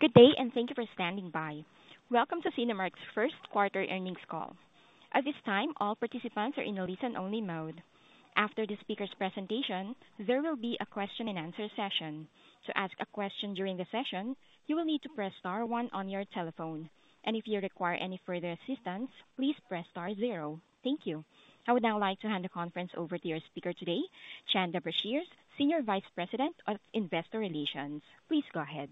Good day, and thank you for standing by. Welcome to Cinemark's first quarter earnings call. At this time, all participants are in a listen only mode. After the speaker's presentation, there will be a question and answer session. To ask a question during the session, you will need to press star one on your telephone. If you require any further assistance, please press star zero. Thank you. I would now like to hand the conference over to your speaker today, Chanda Brashears, Senior Vice President of Investor Relations. Please go ahead.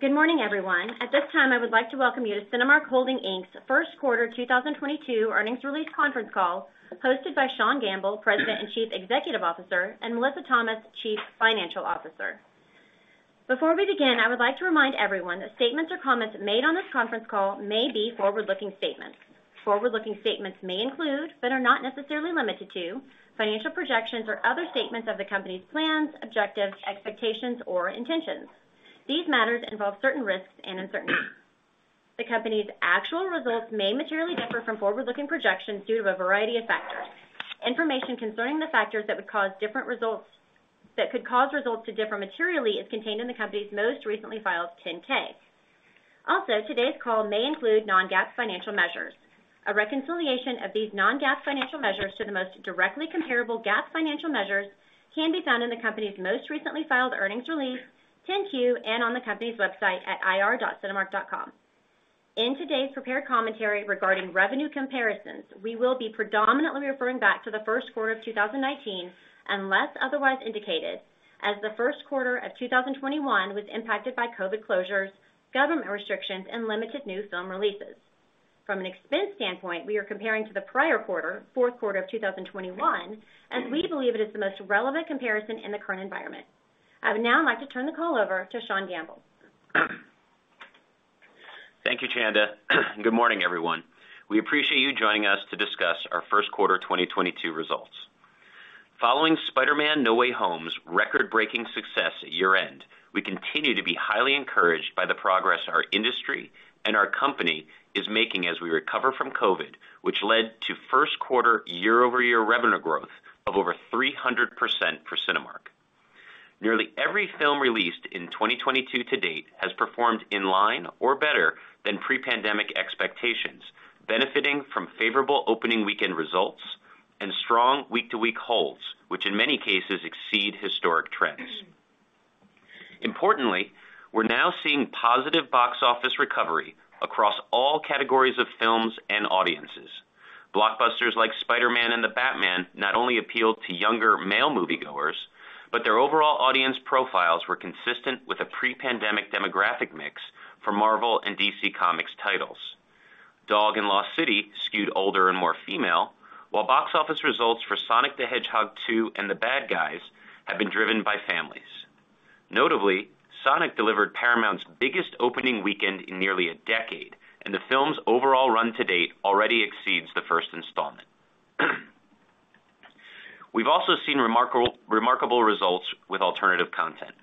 Good morning, everyone. At this time, I would like to welcome you to Cinemark Holdings, Inc.'s first quarter 2022 earnings release conference call hosted by Sean Gamble, President and Chief Executive Officer, and Melissa Thomas, Chief Financial Officer. Before we begin, I would like to remind everyone that statements or comments made on this conference call may be forward-looking statements. Forward-looking statements may include, but are not necessarily limited to, financial projections or other statements of the company's plans, objectives, expectations, or intentions. These matters involve certain risks and uncertainties. The company's actual results may materially differ from forward-looking projections due to a variety of factors. Information concerning the factors that would cause different results that could cause results to differ materially is contained in the company's most recently filed 10-K. Also, today's call may include Non-GAAP financial measures. A reconciliation of these Non-GAAP financial measures to the most directly comparable GAAP financial measures can be found in the company's most recently filed earnings release, 10-Q, and on the company's website at ir.cinemark.com. In today's prepared commentary regarding revenue comparisons, we will be predominantly referring back to the first quarter of 2019, unless otherwise indicated, as the first quarter of 2021 was impacted by COVID closures, government restrictions, and limited new film releases. From an expense standpoint, we are comparing to the prior quarter, fourth quarter of 2021, as we believe it is the most relevant comparison in the current environment. I would now like to turn the call over to Sean Gamble. Thank you, Chanda. Good morning, everyone. We appreciate you joining us to discuss our first quarter 2022 results. Following Spider-Man: No Way Home's record-breaking success at year-end, we continue to be highly encouraged by the progress our industry and our company is making as we recover from COVID, which led to first quarter year-over-year revenue growth of over 300% for Cinemark. Nearly every film released in 2022 to date has performed in line or better than pre-pandemic expectations, benefiting from favorable opening weekend results and strong week-to-week holds, which in many cases exceed historic trends. Importantly, we're now seeing positive box office recovery across all categories of films and audiences. Blockbusters like Spider-Man and The Batman not only appeal to younger male moviegoers, but their overall audience profiles were consistent with a pre-pandemic demographic mix for Marvel and DC Comics titles. Dog and The Lost City skewed older and more female, while box office results for Sonic the Hedgehog 2 and The Bad Guys have been driven by families. Notably, Sonic delivered Paramount's biggest opening weekend in nearly a decade, and the film's overall run to date already exceeds the first installment. We've seen remarkable results with alternative content.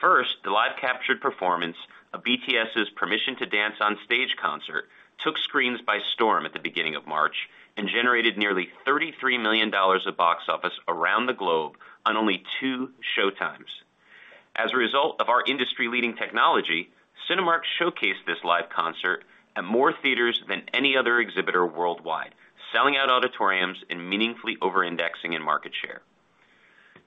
First, the live captured performance of BTS' Permission to Dance on Stage concert took screens by storm at the beginning of March and generated nearly $33 million of box office around the globe on only two showtimes. As a result of our industry-leading technology, Cinemark showcased this live concert at more theaters than any other exhibitor worldwide, selling out auditoriums and meaningfully over-indexing in market share.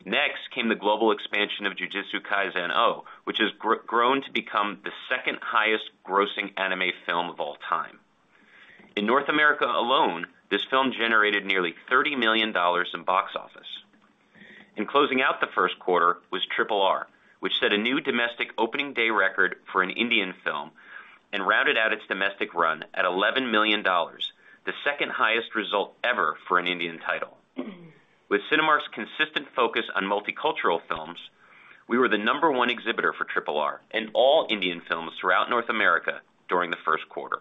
Next came the global expansion of Jujutsu Kaisen 0, which has grown to become the second highest grossing anime film of all time. In North America alone, this film generated nearly $30 million in box office. In closing out the first quarter was RRR, which set a new domestic opening day record for an Indian film and rounded out its domestic run at $11 million, the second highest result ever for an Indian title. With Cinemark's consistent focus on multicultural films, we were the number one exhibitor for RRR in all Indian films throughout North America during the first quarter.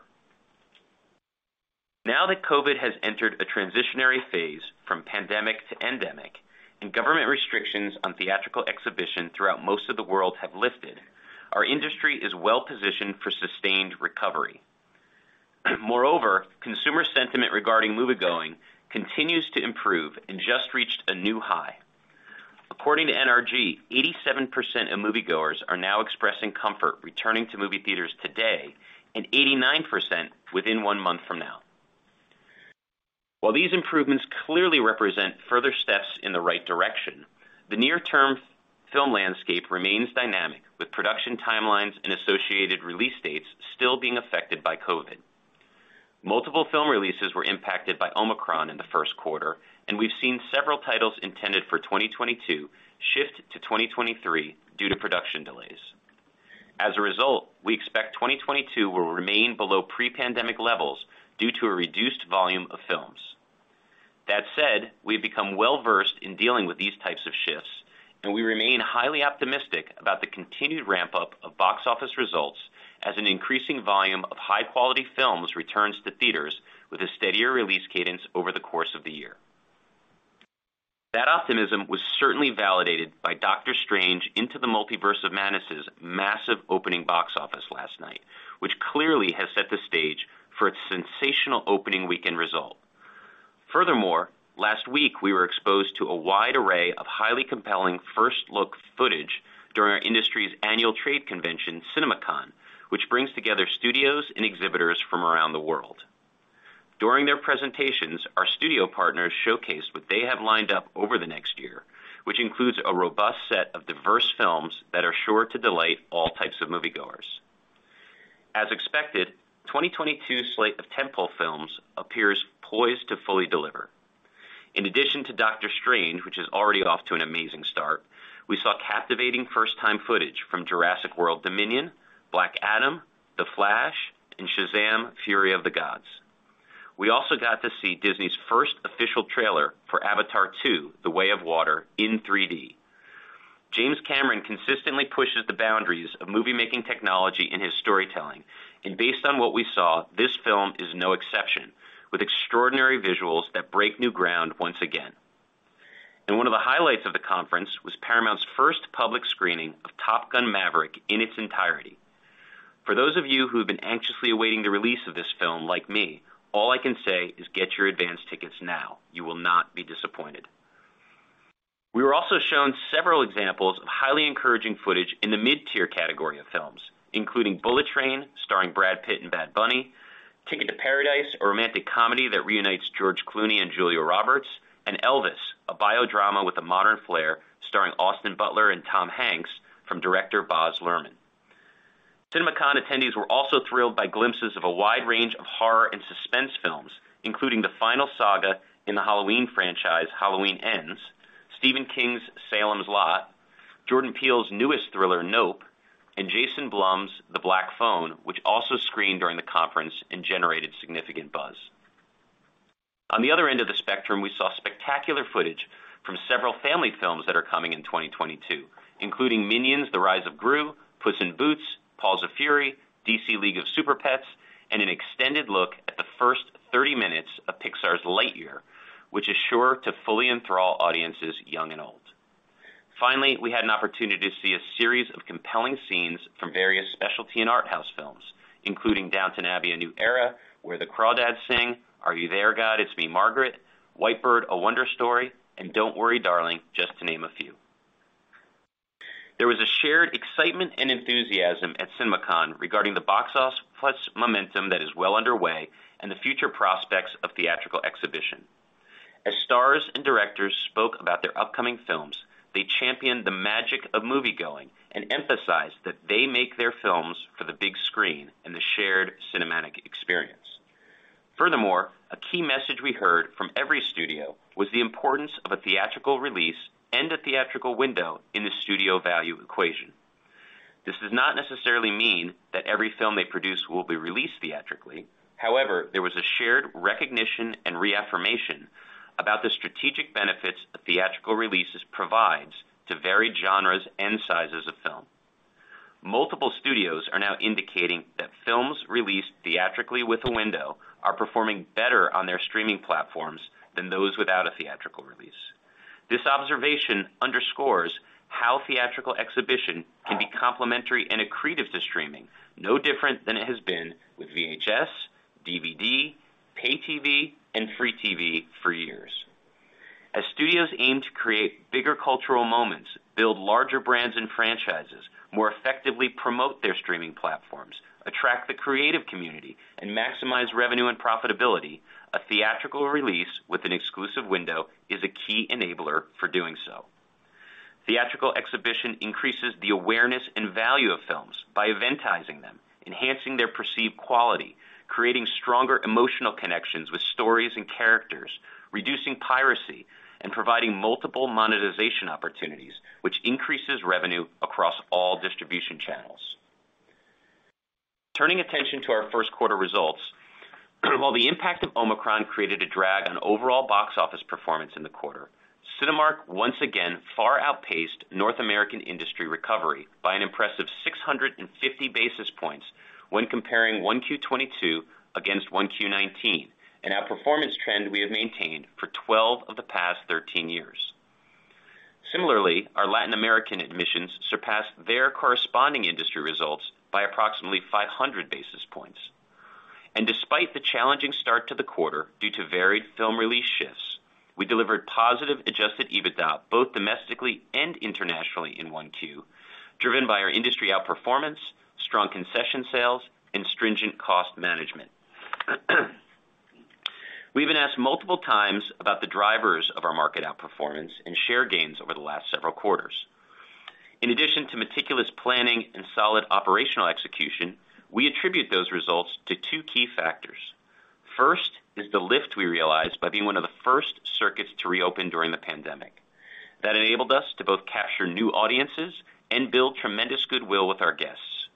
Now that COVID has entered a transitionary phase from pandemic to endemic, and government restrictions on theatrical exhibition throughout most of the world have lifted, our industry is well-positioned for sustained recovery. Moreover, consumer sentiment regarding moviegoing continues to improve and just reached a new high. According to NRG, 87% of moviegoers are now expressing comfort returning to movie theaters today, and 89% within one month from now. While these improvements clearly represent further steps in the right direction, the near-term film landscape remains dynamic, with production timelines and associated release dates still being affected by COVID. Multiple film releases were impacted by Omicron in the first quarter, and we've seen several titles intended for 2022 shift to 2023 due to production delays. As a result, we expect 2022 will remain below pre-pandemic levels due to a reduced volume of films. That said, we've become well-versed in dealing with these types of shifts, and we remain highly optimistic about the continued ramp-up of box office results as an increasing volume of high-quality films returns to theaters with a steadier release cadence over the course of the year. That optimism was certainly validated by Doctor Strange in the Multiverse of Madness' massive opening box office last night, which clearly has set the stage for its sensational opening weekend result. Furthermore, last week we were exposed to a wide array of highly compelling first-look footage during our industry's annual trade convention, CinemaCon, which brings together studios and exhibitors from around the world. During their presentations, our studio partners showcased what they have lined up over the next year, which includes a robust set of diverse films that are sure to delight all types of moviegoers. As expected, 2022's slate of tent-pole films appears poised to fully deliver. In addition to Doctor Strange, which is already off to an amazing start, we saw captivating first-time footage from Jurassic World Dominion, Black Adam, The Flash, and Shazam! Fury of the Gods. We also got to see Disney's first official trailer for Avatar: The Way of Water in 3-D. James Cameron consistently pushes the boundaries of movie-making technology in his storytelling, and based on what we saw, this film is no exception, with extraordinary visuals that break new ground once again. One of the highlights of the conference was Paramount's first public screening of Top Gun: Maverick in its entirety. For those of you who have been anxiously awaiting the release of this film, like me, all I can say is get your advance tickets now. You will not be disappointed. We were also shown several examples of highly encouraging footage in the mid-tier category of films, including Bullet Train, starring Brad Pitt and Bad Bunny, Ticket to Paradise, a romantic comedy that reunites George Clooney and Julia Roberts, and Elvis, a bio drama with a modern flair starring Austin Butler and Tom Hanks from director Baz Luhrmann. CinemaCon attendees were also thrilled by glimpses of a wide range of horror and suspense films, including the final saga in the Halloween franchise, Halloween Ends, Stephen King's Salem's Lot, Jordan Peele's newest thriller, Nope, and Jason Blum's The Black Phone, which also screened during the conference and generated significant buzz. On the other end of the spectrum, we saw spectacular footage from several family films that are coming in 2022, including Minions: The Rise of Gru, Puss in Boots: The Last Wish, DC League of Super-Pets, and an extended look at the first 30 minutes of Pixar's Lightyear, which is sure to fully enthrall audiences young and old. Finally, we had an opportunity to see a series of compelling scenes from various specialty and art house films, including Downton Abbey: A New Era, Where the Crawdads Sing, Are You There, God? It's Me, Margaret, White Bird: A Wonder Story, and Don't Worry, Darling, just to name a few. There was a shared excitement and enthusiasm at CinemaCon regarding the box office momentum that is well underway and the future prospects of theatrical exhibition. As stars and directors spoke about their upcoming films, they championed the magic of moviegoing and emphasized that they make their films for the big screen and the shared cinematic experience. Furthermore, a key message we heard from every studio was the importance of a theatrical release and a theatrical window in the studio value equation. This does not necessarily mean that every film they produce will be released theatrically. However, there was a shared recognition and reaffirmation about the strategic benefits that theatrical releases provides to varied genres and sizes of film. Multiple studios are now indicating that films released theatrically with a window are performing better on their streaming platforms than those without a theatrical release. This observation underscores how theatrical exhibition can be complementary and accretive to streaming, no different than it has been with VHS, DVD, pay TV, and free TV for years. As studios aim to create bigger cultural moments, build larger brands and franchises more effectively promote their streaming platforms, attract the creative community, and maximize revenue and profitability. A theatrical release with an exclusive window is a key enabler for doing so. Theatrical exhibition increases the awareness and value of films by eventizing them, enhancing their perceived quality, creating stronger emotional connections with stories and characters, reducing piracy, and providing multiple monetization opportunities, which increases revenue across all distribution channels. Turning attention to our first quarter results. While the impact of Omicron created a drag on overall box office performance in the quarter, Cinemark once again far outpaced North American industry recovery by an impressive 650 basis points when comparing 1Q 2022 against 1Q 2019. Our performance trend we have maintained for 12 of the past 13 years. Similarly, our Latin American admissions surpassed their corresponding industry results by approximately 500 basis points. Despite the challenging start to the quarter due to varied film release shifts, we delivered positive Adjusted EBITDA both domestically and internationally in Q1, driven by our industry outperformance, strong concession sales, and stringent cost management. We've been asked multiple times about the drivers of our market outperformance and share gains over the last several quarters. In addition to meticulous planning and solid operational execution, we attribute those results to two key factors. First is the lift we realize by being one of the first circuits to reopen during the pandemic. That enabled us to both capture new audiences and build tremendous goodwill with our guests.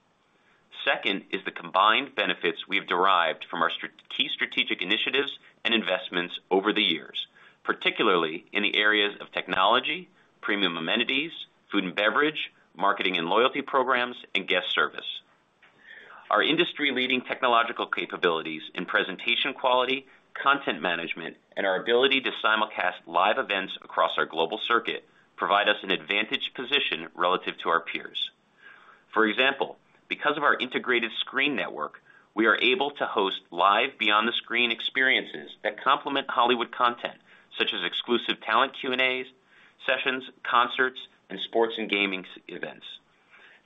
Second is the combined benefits we have derived from our key strategic initiatives and investments over the years, particularly in the areas of technology, premium amenities, food and beverage, marketing and loyalty programs, and guest service. Our industry-leading technological capabilities in presentation quality, content management, and our ability to simulcast live events across our global circuit provide us an advantage position relative to our peers. For example, because of our integrated screen network, we are able to host live beyond the screen experiences that complement Hollywood content such as exclusive talent Q&A sessions, concerts, and sports and gaming events.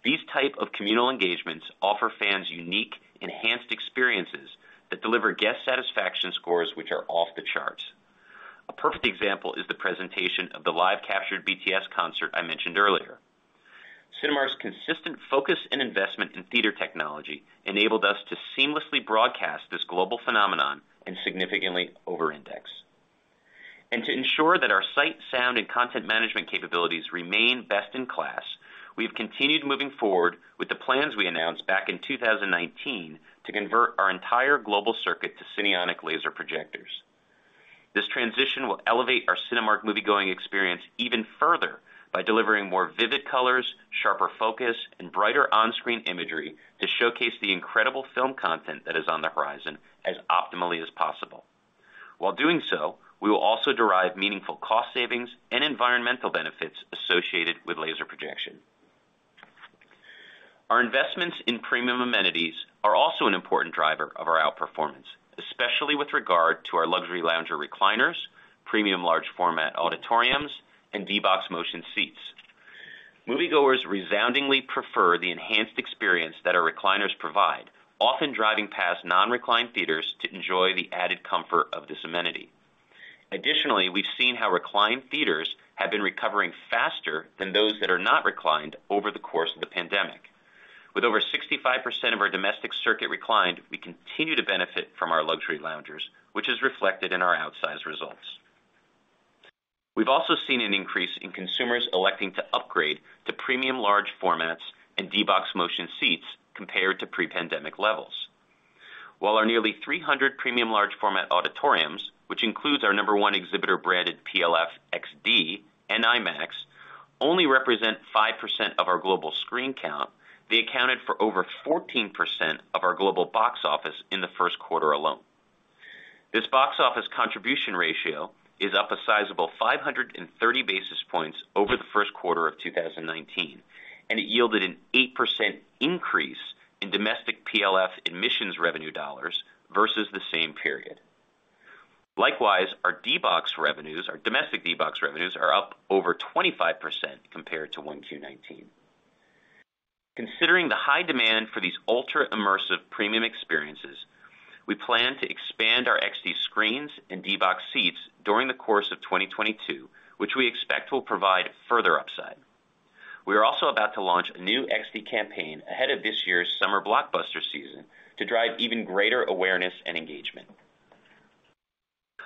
These type of communal engagements offer fans unique, enhanced experiences that deliver guest satisfaction scores which are off the charts. A perfect example is the presentation of the live captured BTS concert I mentioned earlier. Cinemark's consistent focus and investment in theater technology enabled us to seamlessly broadcast this global phenomenon and significantly over-index. To ensure that our sight, sound, and content management capabilities remain best in class, we've continued moving forward with the plans we announced back in 2019 to convert our entire global circuit to Cinionic Laser Projectors. This transition will elevate our Cinemark moviegoing experience even further by delivering more vivid colors, sharper focus, and brighter on-screen imagery to showcase the incredible film content that is on the horizon as optimally as possible. While doing so, we will also derive meaningful cost savings and environmental benefits associated with laser projection. Our investments in premium amenities are also an important driver of our outperformance, especially with regard to our luxury lounger recliners, premium large format auditoriums, and D-BOX motion seats. Moviegoers resoundingly prefer the enhanced experience that our recliners provide, often driving past non-reclined theaters to enjoy the added comfort of this amenity. Additionally, we've seen how reclined theaters have been recovering faster than those that are not reclined over the course of the pandemic. With over 65% of our domestic circuit reclined, we continue to benefit from our luxury loungers, which is reflected in our outsized results. We've also seen an increase in consumers electing to upgrade to premium large formats and D-BOX motion seats compared to pre-pandemic levels. While our nearly 300 premium large format auditoriums, which includes our No. 1 exhibitor-branded PLF XD and IMAX, only represent 5% of our global screen count, they accounted for over 14% of our global box office in the first quarter alone. This box office contribution ratio is up a sizable 530 basis points over the first quarter of 2019, and it yielded an 8% increase in domestic PLF admissions revenue dollars versus the same period. Likewise, our D-BOX revenues, our domestic D-BOX revenues are up over 25% compared to 1Q 2019. Considering the high demand for these ultra-immersive premium experiences, we plan to expand our XD screens and D-BOX seats during the course of 2022, which we expect will provide further upside. We are also about to launch a new XD campaign ahead of this year's summer blockbuster season to drive even greater awareness and engagement.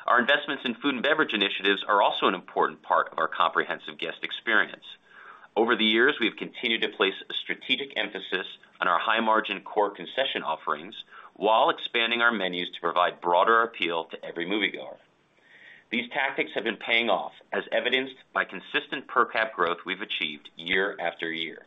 Our investments in food and beverage initiatives are also an important part of our comprehensive guest experience. Over the years, we've continued to place a strategic emphasis on our high-margin core concession offerings while expanding our menus to provide broader appeal to every moviegoer. These tactics have been paying off as evidenced by consistent per cap growth we've achieved year after year.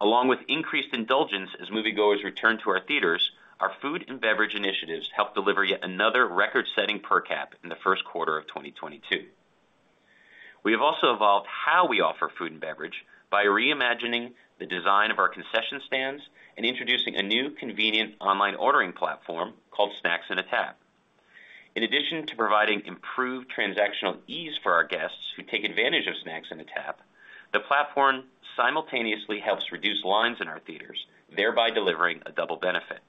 Along with increased indulgence as moviegoers return to our theaters, our food and beverage initiatives help deliver yet another record-setting per cap in the first quarter of 2022. We have also evolved how we offer food and beverage by reimagining the design of our concession stands and introducing a new convenient online ordering platform called Snacks in a Tap. In addition to providing improved transactional ease for our guests who take advantage of Snacks in a Tap, the platform simultaneously helps reduce lines in our theaters, thereby delivering a double benefit.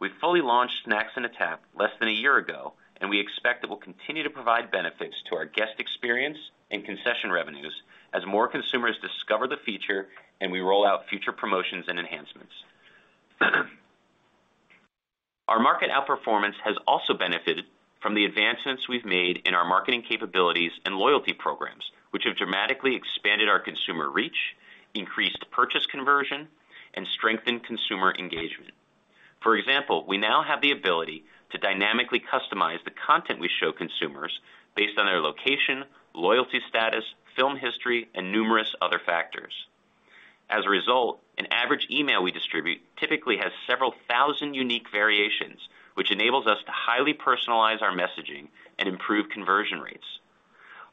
We fully launched Snacks in a Tap less than a year ago, and we expect it will continue to provide benefits to our guest experience and concession revenues as more consumers discover the feature and we roll out future promotions and enhancements. Our market outperformance has also benefited from the advancements we've made in our marketing capabilities and loyalty programs, which have dramatically expanded our consumer reach, increased purchase conversion, and strengthened consumer engagement. For example, we now have the ability to dynamically customize the content we show consumers based on their location, loyalty status, film history, and numerous other factors. As a result, an average email we distribute typically has several thousand unique variations, which enables us to highly personalize our messaging and improve conversion rates.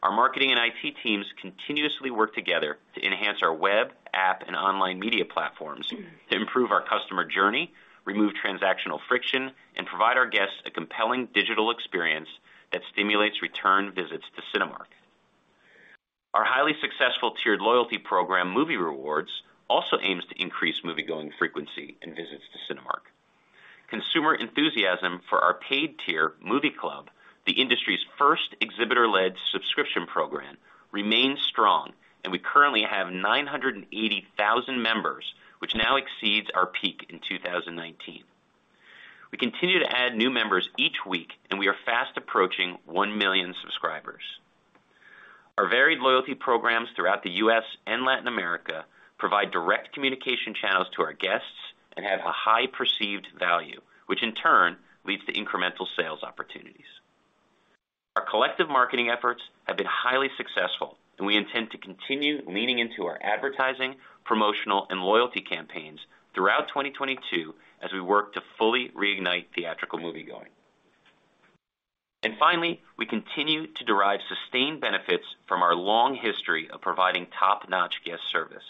Our marketing and IT teams continuously work together to enhance our web, app, and online media platforms to improve our customer journey, remove transactional friction, and provide our guests a compelling digital experience that stimulates return visits to Cinemark. Our highly successful tiered loyalty program, Movie Rewards, also aims to increase moviegoing frequency and visits to Cinemark. Consumer enthusiasm for our paid tier Movie Club, the industry's first exhibitor-led subscription program, remains strong, and we currently have 980,000 members, which now exceeds our peak in 2019. We continue to add new members each week, and we are fast approaching 1 million subscribers. Our varied loyalty programs throughout the U.S. and Latin America provide direct communication channels to our guests and have a high perceived value, which in turn leads to incremental sales opportunities. Our collective marketing efforts have been highly successful, and we intend to continue leaning into our advertising, promotional, and loyalty campaigns throughout 2022 as we work to fully reignite theatrical moviegoing. Finally, we continue to derive sustained benefits from our long history of providing top-notch guest service.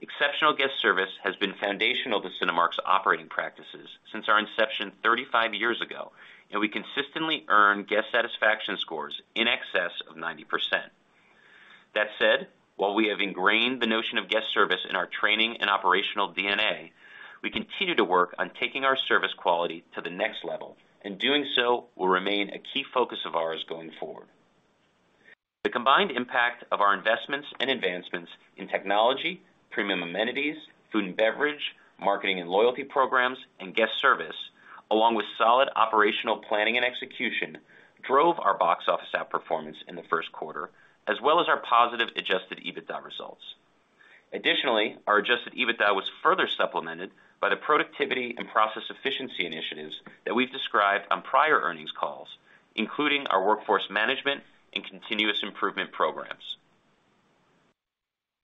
Exceptional guest service has been foundational to Cinemark's operating practices since our inception 35 years ago, and we consistently earn guest satisfaction scores in excess of 90%. That said, while we have ingrained the notion of guest service in our training and operational DNA, we continue to work on taking our service quality to the next level, and doing so will remain a key focus of ours going forward. The combined impact of our investments and advancements in technology, premium amenities, food and beverage, marketing and loyalty programs, and guest service, along with solid operational planning and execution, drove our box office outperformance in the first quarter, as well as our positive Adjusted EBITDA results. Additionally, our Adjusted EBITDA was further supplemented by the productivity and process efficiency initiatives that we've described on prior earnings calls, including our workforce management and continuous improvement programs.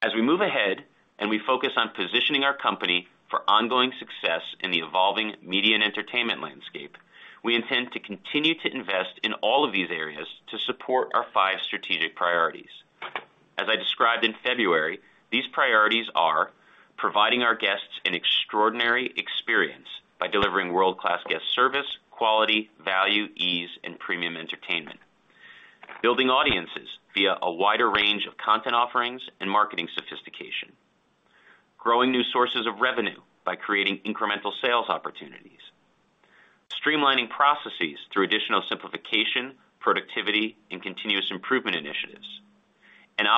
As we move ahead, and we focus on positioning our company for ongoing success in the evolving media and entertainment landscape, we intend to continue to invest in all of these areas to support our five strategic priorities. As I described in February, these priorities are providing our guests an extraordinary experience by delivering world-class guest service, quality, value, ease, and premium entertainment. Building audiences via a wider range of content offerings and marketing sophistication. Growing new sources of revenue by creating incremental sales opportunities. Streamlining processes through additional simplification, productivity, and continuous improvement initiatives.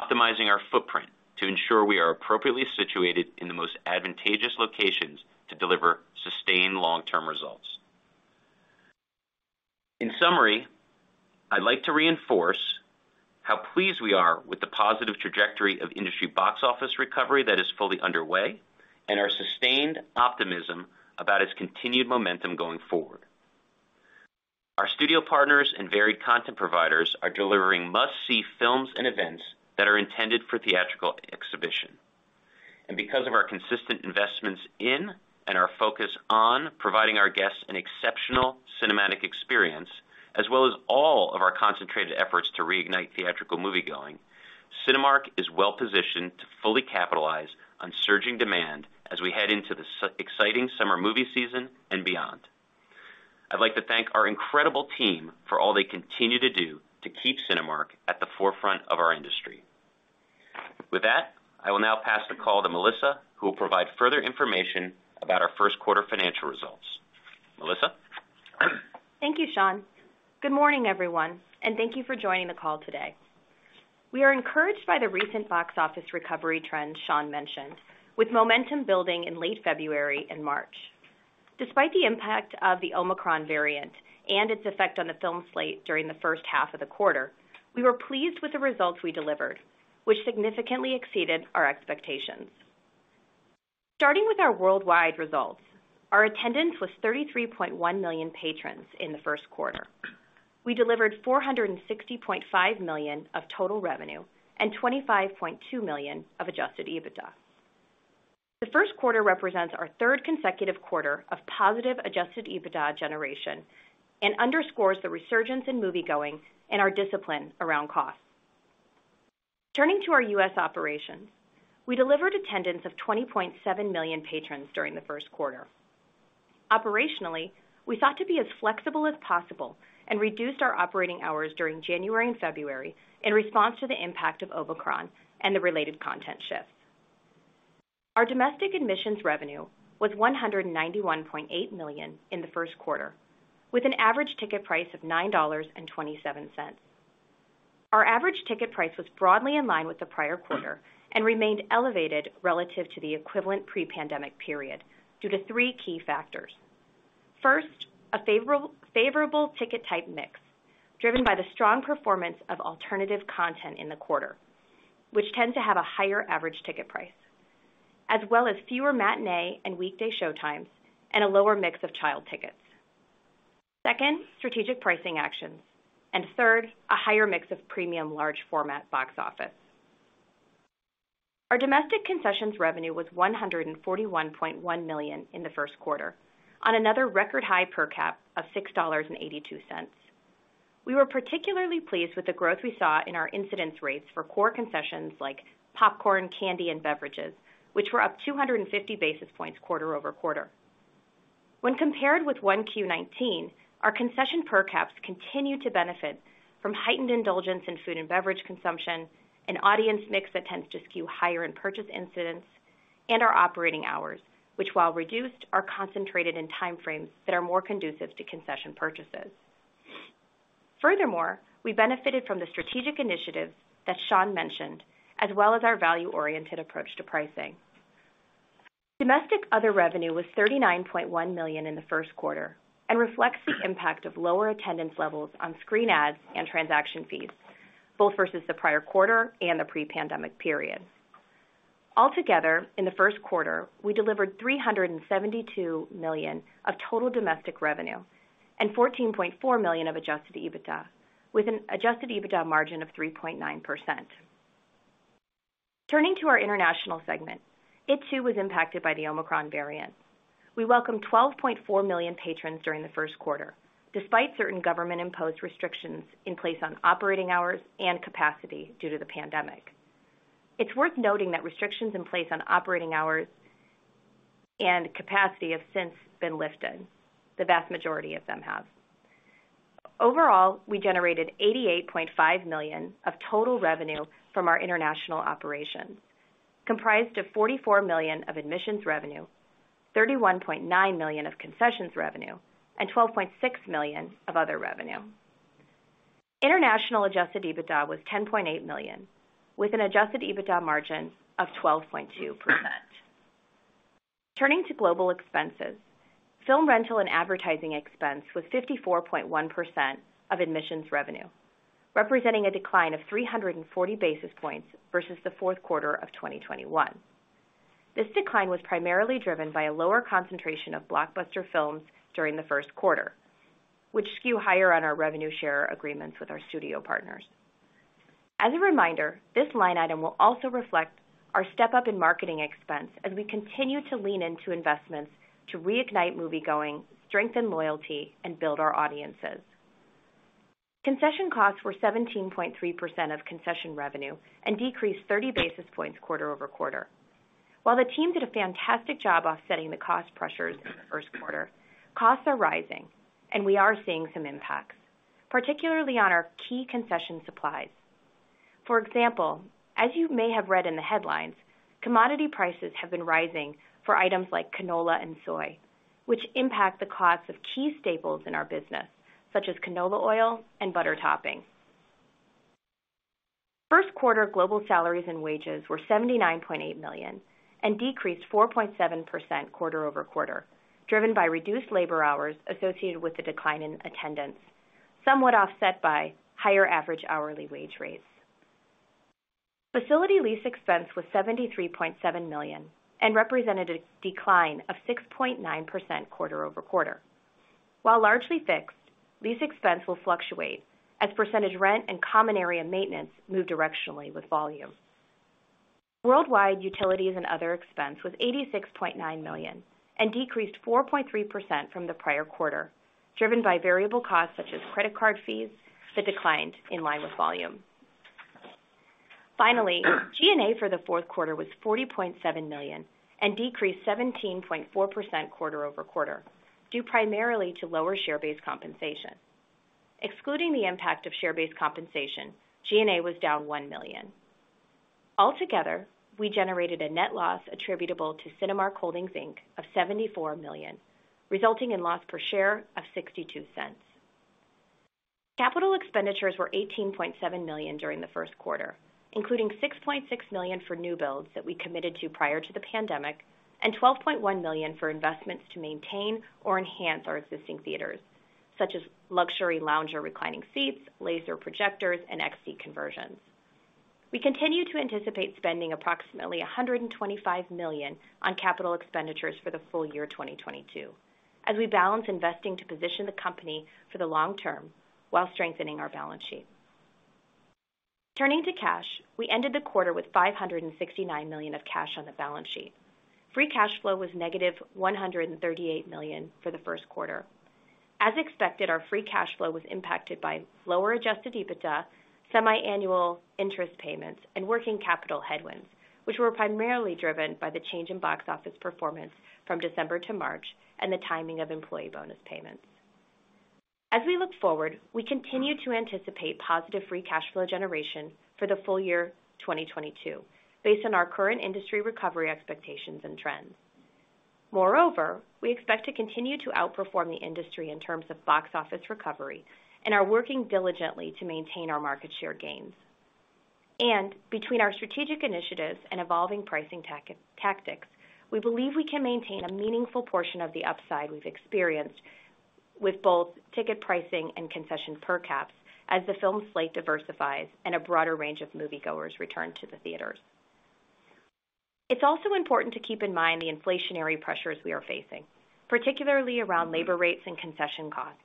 Optimizing our footprint to ensure we are appropriately situated in the most advantageous locations to deliver sustained long-term results. In summary, I'd like to reinforce how pleased we are with the positive trajectory of industry box office recovery that is fully underway and our sustained optimism about its continued momentum going forward. Our studio partners and varied content providers are delivering must-see films and events that are intended for theatrical exhibition. Because of our consistent investments in and our focus on providing our guests an exceptional cinematic experience, as well as all of our concentrated efforts to reignite theatrical moviegoing, Cinemark is well-positioned to fully capitalize on surging demand as we head into the super-exciting summer movie season and beyond. I'd like to thank our incredible team for all they continue to do to keep Cinemark at the forefront of our industry. With that, I will now pass the call to Melissa, who will provide further information about our first quarter financial results. Melissa? Thank you, Sean. Good morning, everyone, and thank you for joining the call today. We are encouraged by the recent box office recovery trend Sean mentioned, with momentum building in late February and March. Despite the impact of the Omicron variant and its effect on the film slate during the first half of the quarter, we were pleased with the results we delivered, which significantly exceeded our expectations. Starting with our worldwide results, our attendance was 33.1 million patrons in the first quarter. We delivered $460.5 million of total revenue and $25.2 million of Adjusted EBITDA. The first quarter represents our third consecutive quarter of positive Adjusted EBITDA generation and underscores the resurgence in moviegoing and our discipline around costs. Turning to our US operations, we delivered attendance of 20.7 million patrons during the first quarter. Operationally, we sought to be as flexible as possible and reduced our operating hours during January and February in response to the impact of Omicron and the related content shifts. Our domestic admissions revenue was $191.8 million in the first quarter, with an average ticket price of $9.27. Our average ticket price was broadly in line with the prior quarter and remained elevated relative to the equivalent pre-pandemic period due to three key factors. First, a favorable ticket type mix driven by the strong performance of alternative content in the quarter, which tend to have a higher average ticket price, as well as fewer matinee and weekday showtimes and a lower mix of child tickets. Second, strategic pricing actions. Third, a higher mix of premium large format box office. Our domestic concessions revenue was $141.1 million in the first quarter on another record high per cap of $6.82. We were particularly pleased with the growth we saw in our incidence rates for core concessions like popcorn, candy, and beverages, which were up 250 basis points quarter-over-quarter. When compared with 1Q19, our concession per caps continued to benefit from heightened indulgence in food and beverage consumption and audience mix that tends to skew higher in purchase incidents and our operating hours, which, while reduced, are concentrated in time frames that are more conducive to concession purchases. Furthermore, we benefited from the strategic initiatives that Sean mentioned, as well as our value-oriented approach to pricing. Domestic other revenue was $39.1 million in the first quarter and reflects the impact of lower attendance levels on screen ads and transaction fees, both versus the prior quarter and the pre-pandemic period. Altogether, in the first quarter, we delivered $372 million of total domestic revenue and $14.4 million of Adjusted EBITDA, with an Adjusted EBITDA margin of 3.9%. Turning to our international segment, it too was impacted by the Omicron variant. We welcomed 12.4 million patrons during the first quarter, despite certain government-imposed restrictions in place on operating hours and capacity due to the pandemic. It's worth noting that restrictions in place on operating hours and capacity have since been lifted. The vast majority of them have. Overall, we generated $88.5 million of total revenue from our international operations, comprised of $44 million of admissions revenue, $31.9 million of concessions revenue, and $12.6 million of other revenue. International Adjusted EBITDA was $10.8 million, with an Adjusted EBITDA margin of 12.2%. Turning to global expenses, film rental and advertising expense was 54.1% of admissions revenue, representing a decline of 340 basis points versus the fourth quarter of 2021. This decline was primarily driven by a lower concentration of blockbuster films during the first quarter, which skew higher on our revenue share agreements with our studio partners. As a reminder, this line item will also reflect our step-up in marketing expense as we continue to lean into investments to reignite moviegoing, strengthen loyalty, and build our audiences. Concession costs were 17.3% of concession revenue and decreased 30 basis points quarter-over-quarter. While the team did a fantastic job offsetting the cost pressures in the first quarter, costs are rising and we are seeing some impacts, particularly on our key concession supplies. For example, as you may have read in the headlines, commodity prices have been rising for items like canola and soy, which impact the cost of key staples in our business, such as canola oil and butter topping. First quarter global salaries and wages were $79.8 million and decreased 4.7% quarter-over-quarter, driven by reduced labor hours associated with the decline in attendance, somewhat offset by higher average hourly wage rates. Facility lease expense was $73.7 million and represented a decline of 6.9% quarter-over-quarter. While largely fixed, lease expense will fluctuate as percentage rent and common area maintenance move directionally with volume. Worldwide utilities and other expense was $86.9 million and decreased 4.3% from the prior quarter, driven by variable costs such as credit card fees that declined in line with volume. Finally, G&A for the fourth quarter was $40.7 million and decreased 17.4% quarter-over-quarter, due primarily to lower share-based compensation. Excluding the impact of share-based compensation, G&A was down $1 million. Altogether, we generated a net loss attributable to Cinemark Holdings, Inc. of $74 million, resulting in loss per share of $0.62. Capital expenditures were $18.7 million during the first quarter, including $6.6 million for new builds that we committed to prior to the pandemic, and $12.1 million for investments to maintain or enhance our existing theaters, such as luxury lounger reclining seats, laser projectors, and XD conversions. We continue to anticipate spending approximately $125 million on capital expenditures for the full year 2022 as we balance investing to position the company for the long term while strengthening our balance sheet. Turning to cash. We ended the quarter with $569 million of cash on the balance sheet. Free cash flow was -$138 million for the first quarter. As expected, our free cash flow was impacted by lower Adjusted EBITDA, semiannual interest payments, and working capital headwinds, which were primarily driven by the change in box office performance from December to March and the timing of employee bonus payments. As we look forward, we continue to anticipate positive free cash flow generation for the full year 2022 based on our current industry recovery expectations and trends. Moreover, we expect to continue to outperform the industry in terms of box office recovery and are working diligently to maintain our market share gains. Between our strategic initiatives and evolving pricing tactics, we believe we can maintain a meaningful portion of the upside we've experienced with both ticket pricing and concession per caps as the film slate diversifies and a broader range of moviegoers return to the theaters. It's also important to keep in mind the inflationary pressures we are facing, particularly around labor rates and concession costs.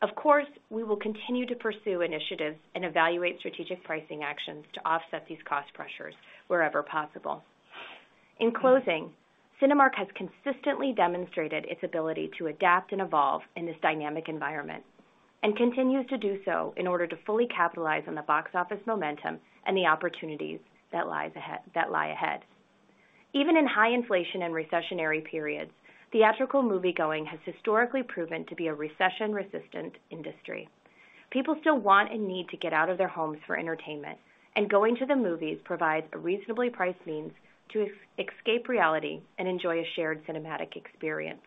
Of course, we will continue to pursue initiatives and evaluate strategic pricing actions to offset these cost pressures wherever possible. In closing, Cinemark has consistently demonstrated its ability to adapt and evolve in this dynamic environment and continues to do so in order to fully capitalize on the box office momentum and the opportunities that lie ahead. Even in high inflation and recessionary periods, theatrical moviegoing has historically proven to be a recession-resistant industry. People still want and need to get out of their homes for entertainment, and going to the movies provides a reasonably priced means to escape reality and enjoy a shared cinematic experience.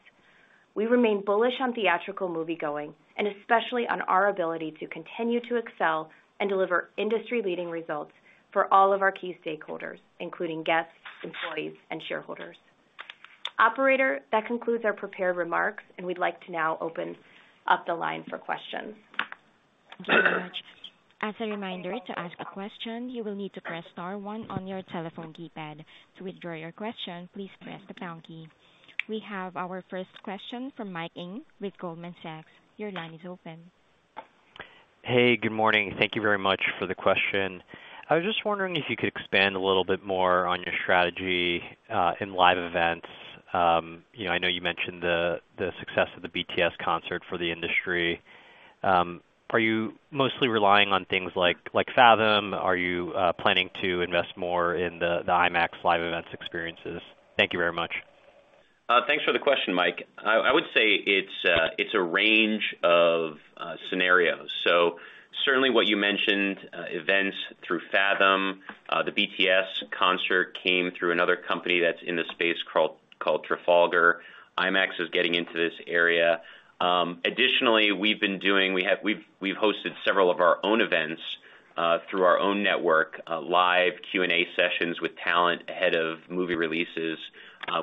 We remain bullish on theatrical moviegoing and especially on our ability to continue to excel and deliver industry-leading results for all of our key stakeholders, including guests, employees, and shareholders. Operator, that concludes our prepared remarks, and we'd like to now open up the line for questions. Thank you very much. As a reminder, to ask a question, you will need to press star one on your telephone keypad. To withdraw your question, please press the pound key. We have our first question from Mike Ng with Goldman Sachs. Your line is open. Hey, good morning. Thank you very much for the question. I was just wondering if you could expand a little bit more on your strategy in live events. You know, I know you mentioned the success of the BTS concert for the industry. Are you mostly relying on things like Fathom? Are you planning to invest more in the IMAX live events experiences? Thank you very much. Thanks for the question, Mike. I would say it's a range of scenarios. Certainly what you mentioned, events through Fathom, the BTS concert came through another company that's in the space called Trafalgar. IMAX is getting into this area. Additionally, we've hosted several of our own events through our own network, live Q&A sessions with talent ahead of movie releases,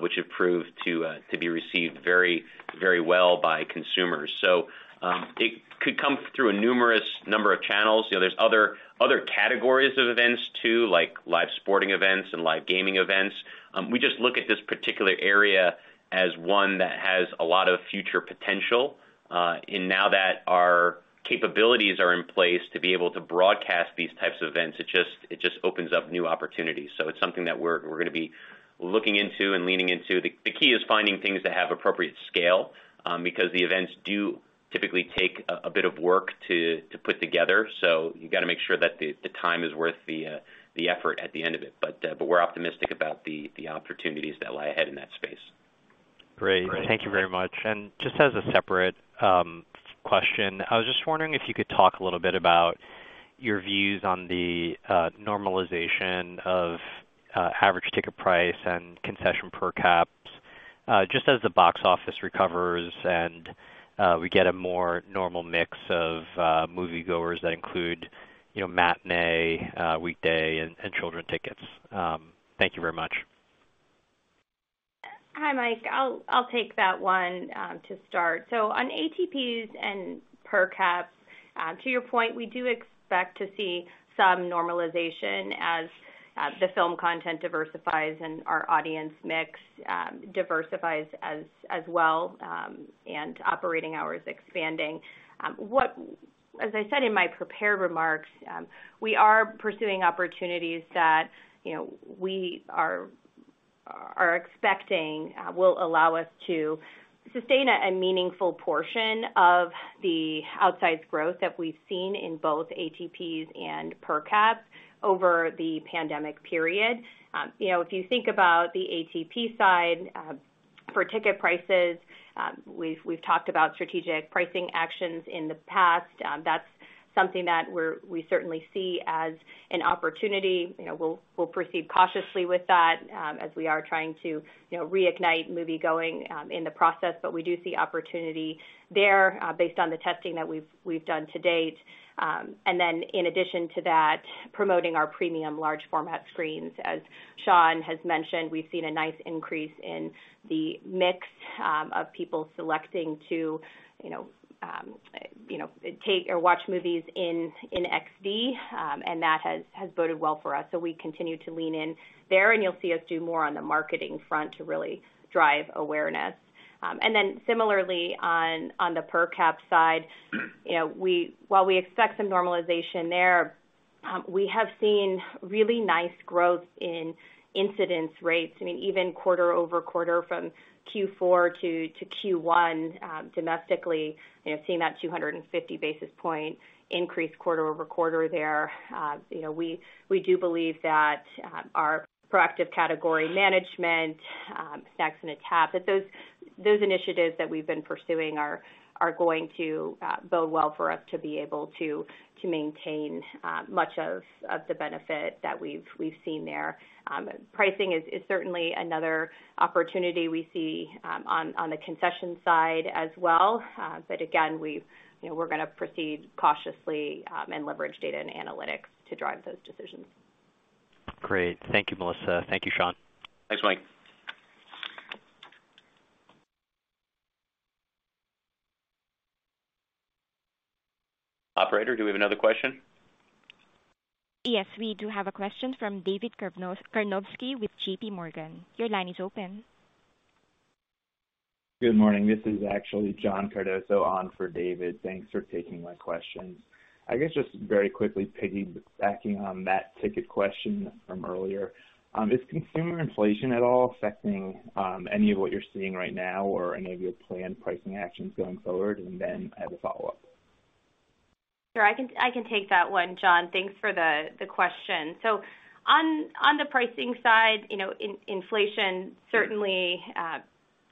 which have proved to be received very, very well by consumers. It could come through a numerous number of channels. You know, there's other categories of events too, like live sporting events and live gaming events. We just look at this particular area as one that has a lot of future potential, and now that our capabilities are in place to be able to broadcast these types of events, it just opens up new opportunities. It's something that we're gonna be looking into and leaning into. The key is finding things that have appropriate scale, because the events do typically take a bit of work to put together. You gotta make sure that the time is worth the effort at the end of it. We're optimistic about the opportunities that lie ahead in that space. Great. Thank you very much. Just as a separate question, I was just wondering if you could talk a little bit about your views on the normalization of average ticket price and concession per caps, just as the box office recovers and we get a more normal mix of moviegoers that include, you know, matinee, weekday and children tickets. Thank you very much. Hi, Mike. I'll take that one to start. On ATPs and per caps, to your point, we do expect to see some normalization as the film content diversifies and our audience mix diversifies as well, and operating hours expanding. As I said in my prepared remarks, we are pursuing opportunities that, you know, we are expecting will allow us to sustain a meaningful portion of the outsized growth that we've seen in both ATPs and per caps over the pandemic period. You know, if you think about the ATP side, for ticket prices, we've talked about strategic pricing actions in the past. That's something that we certainly see as an opportunity. You know, we'll proceed cautiously with that, as we are trying to, you know, reignite moviegoing, in the process. We do see opportunity there, based on the testing that we've done to date. Then in addition to that, promoting our premium large format screens. As Sean has mentioned, we've seen a nice increase in the mix, of people selecting to, you know, take or watch movies in XD, and that has boded well for us. We continue to lean in there, and you'll see us do more on the marketing front to really drive awareness. Then similarly on the per cap side, you know, while we expect some normalization there, we have seen really nice growth in incidence rates. I mean, even quarter over quarter from Q4 to Q1, domestically, you know, seeing that 250 basis point increase quarter over quarter there. You know, we do believe that our proactive category management, Snacks in a Tap, that those initiatives that we've been pursuing are going to bode well for us to be able to maintain much of the benefit that we've seen there. Pricing is certainly another opportunity we see on the concession side as well. But again, you know, we're gonna proceed cautiously and leverage data and analytics to drive those decisions. Great. Thank you, Melissa. Thank you, Sean. Thanks, Mike. Operator, do we have another question? Yes, we do have a question from David Karnovsky with JPMorgan. Your line is open. Good morning. This is actually John Cardoso on for David. Thanks for taking my question. I guess just very quickly piggybacking on that ticket question from earlier, is consumer inflation at all affecting, any of what you're seeing right now or any of your planned pricing actions going forward? I have a follow-up. I can take that one, John. Thanks for the question. On the pricing side, you know, inflation certainly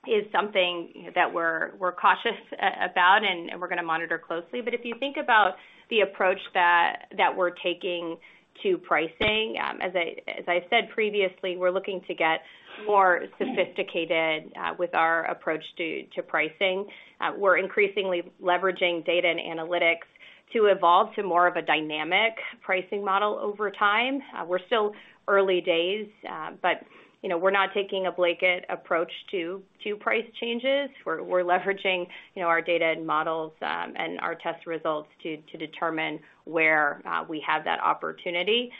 is something that we're cautious about and we're gonna monitor closely. If you think about the approach that we're taking to pricing, as I said previously, we're looking to get more sophisticated with our approach to pricing. We're increasingly leveraging data and analytics to evolve to more of a dynamic pricing model over time. We're still early days, but you know, we're not taking a blanket approach to price changes. We're leveraging, you know, our data and models and our test results to determine where we have that opportunity.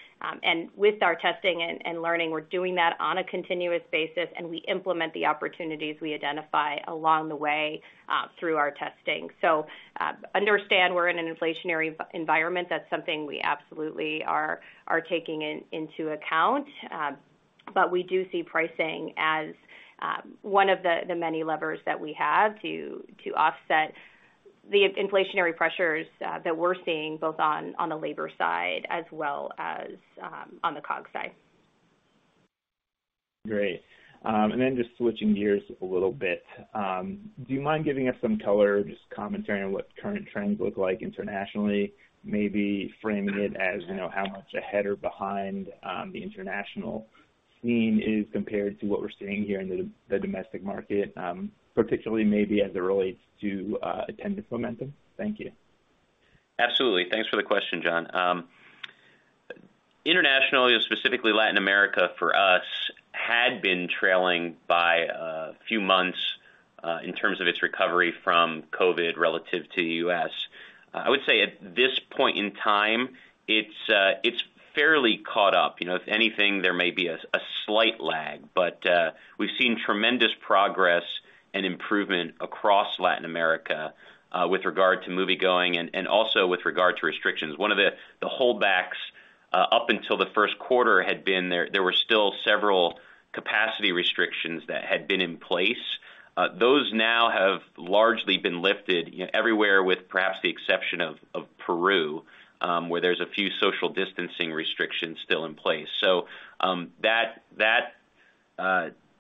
With our testing and learning, we're doing that on a continuous basis, and we implement the opportunities we identify along the way through our testing. Understand we're in an inflationary environment. That's something we absolutely are taking into account. We do see pricing as one of the many levers that we have to offset the inflationary pressures that we're seeing both on the labor side as well as on the COGS side. Great. Just switching gears a little bit, do you mind giving us some color, just commentary on what current trends look like internationally, maybe framing it as, you know, how much ahead or behind, the international scene is compared to what we're seeing here in the domestic market, particularly maybe as it relates to, attendance momentum? Thank you. Absolutely. Thanks for the question, John. Internationally, specifically Latin America for us, had been trailing by a few months in terms of its recovery from COVID relative to the U.S. I would say at this point in time, it's fairly caught up. You know, if anything, there may be a slight lag, but we've seen tremendous progress and improvement across Latin America with regard to moviegoing and also with regard to restrictions. One of the holdbacks up until the first quarter had been there were still several capacity restrictions that had been in place. Those now have largely been lifted everywhere with perhaps the exception of Peru, where there's a few social distancing restrictions still in place.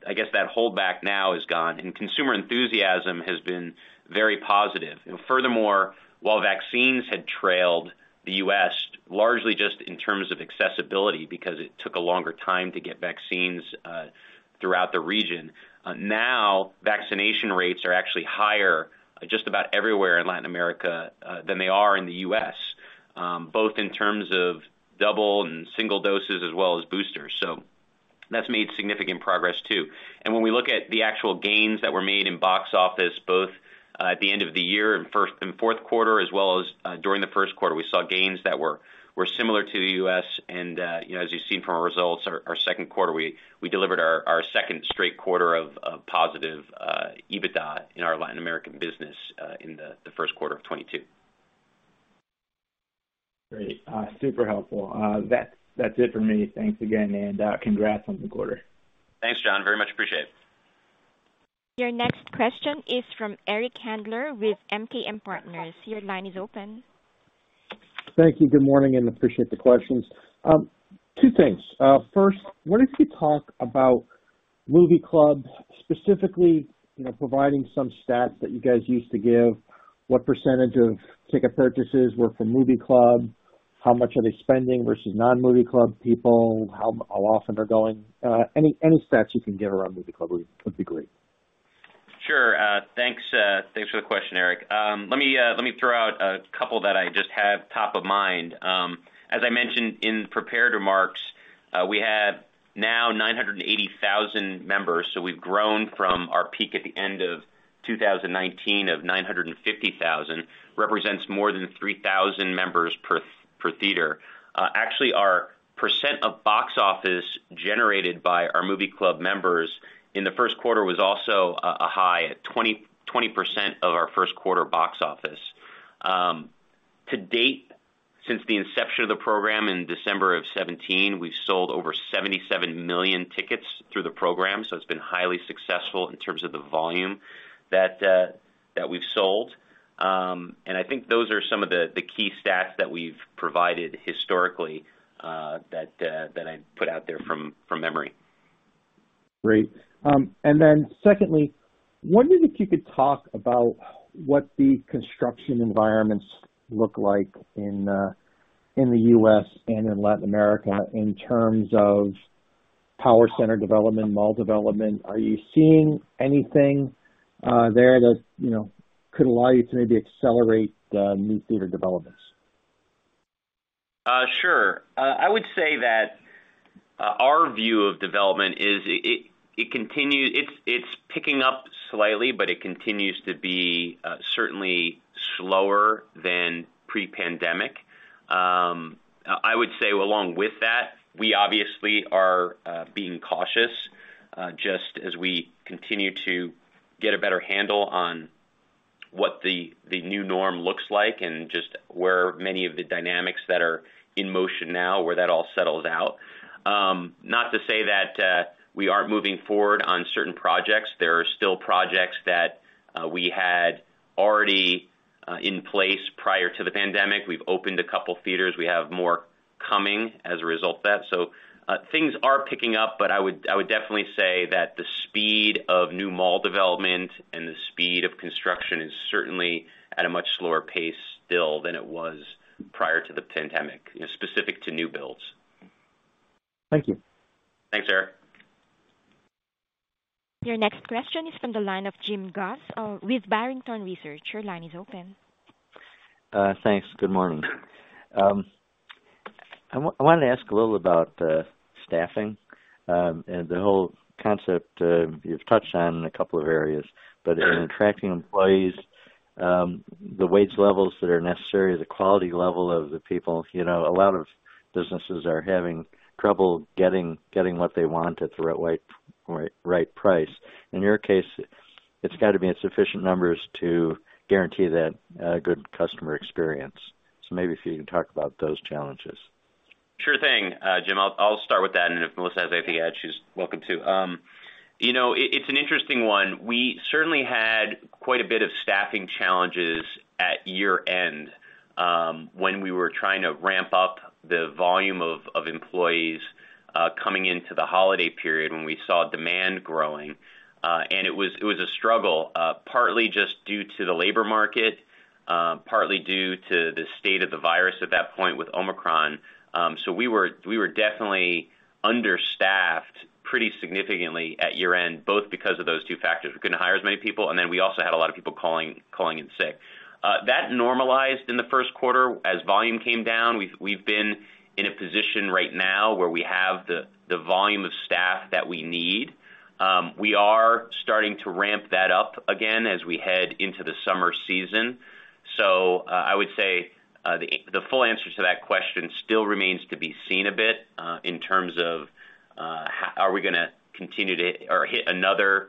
I guess that holdback now is gone, and consumer enthusiasm has been very positive. Furthermore, while vaccines had trailed the U.S. largely just in terms of accessibility because it took a longer time to get vaccines, throughout the region, now vaccination rates are actually higher just about everywhere in Latin America, than they are in the U.S., both in terms of double and single doses as well as boosters. That's made significant progress too. When we look at the actual gains that were made in box office, both, at the end of the year in first and fourth quarter, as well as, during the first quarter, we saw gains that were similar to the U.S. You know, as you've seen from our results, our second quarter, we delivered our second straight quarter of positive EBITDA in our Latin American business, in the first quarter of 2022. Great. Super helpful. That's it for me. Thanks again, and congrats on the quarter. Thanks, John. Very much appreciate. Your next question is from Eric Handler with MKM Partners. Your line is open. Thank you. Good morning, and appreciate the questions. Two things. First, wanted to talk about Movie Club, specifically, you know, providing some stats that you guys used to give, what percentage of ticket purchases were from Movie Club, how much are they spending versus non-Movie Club people, how often they're going. Any stats you can give around Movie Club would be great. Sure. Thanks for the question, Eric. Let me throw out a couple that I just have top of mind. As I mentioned in prepared remarks, we have now 980,000 members, so we've grown from our peak at the end of 2019 of 950,000, represents more than 3,000 members per theater. Actually, our percent of box office generated by our Movie Club members in the first quarter was also a high at 20% of our first quarter box office. To date, since the inception of the program in December 2017, we've sold over 77 million tickets through the program, so it's been highly successful in terms of the volume that we've sold. I think those are some of the key stats that we've provided historically, that I put out there from memory. Great. Secondly, wondering if you could talk about what the construction environments look like in the US and in Latin America in terms of power center development, mall development. Are you seeing anything there that, you know, could allow you to maybe accelerate the new theater developments? Sure. I would say that our view of development is picking up slightly, but it continues to be certainly slower than pre-pandemic. I would say along with that, we obviously are being cautious just as we continue to get a better handle on what the new norm looks like and just where many of the dynamics that are in motion now, where that all settles out. Not to say that we aren't moving forward on certain projects. There are still projects that we had already in place prior to the pandemic. We've opened a couple theaters. We have more coming as a result of that. Things are picking up, but I would definitely say that the speed of new mall development and the speed of construction is certainly at a much slower pace still than it was prior to the pandemic, you know, specific to new builds. Thank you. Thanks, Eric. Your next question is from the line of Jim Goss, with Barrington Research. Your line is open. Thanks. Good morning. I wanted to ask a little about staffing and the whole concept you've touched on in a couple of areas, but in attracting employees, the wage levels that are necessary, the quality level of the people. You know, a lot of businesses are having trouble getting what they want at the right price. In your case, it's gotta be in sufficient numbers to guarantee that good customer experience. Maybe if you can talk about those challenges. Sure thing, Jim. I'll start with that, and if Melissa has anything to add, she's welcome to. You know, it's an interesting one. We certainly had quite a bit of staffing challenges at year-end, when we were trying to ramp up the volume of employees coming into the holiday period when we saw demand growing. It was a struggle, partly just due to the labor market, partly due to the state of the virus at that point with Omicron. We were definitely understaffed pretty significantly at year-end, both because of those two factors. We couldn't hire as many people, and then we also had a lot of people calling in sick. That normalized in the first quarter as volume came down. We've been in a position right now where we have the volume of staff that we need. We are starting to ramp that up again as we head into the summer season. I would say the full answer to that question still remains to be seen a bit in terms of are we gonna continue to or hit another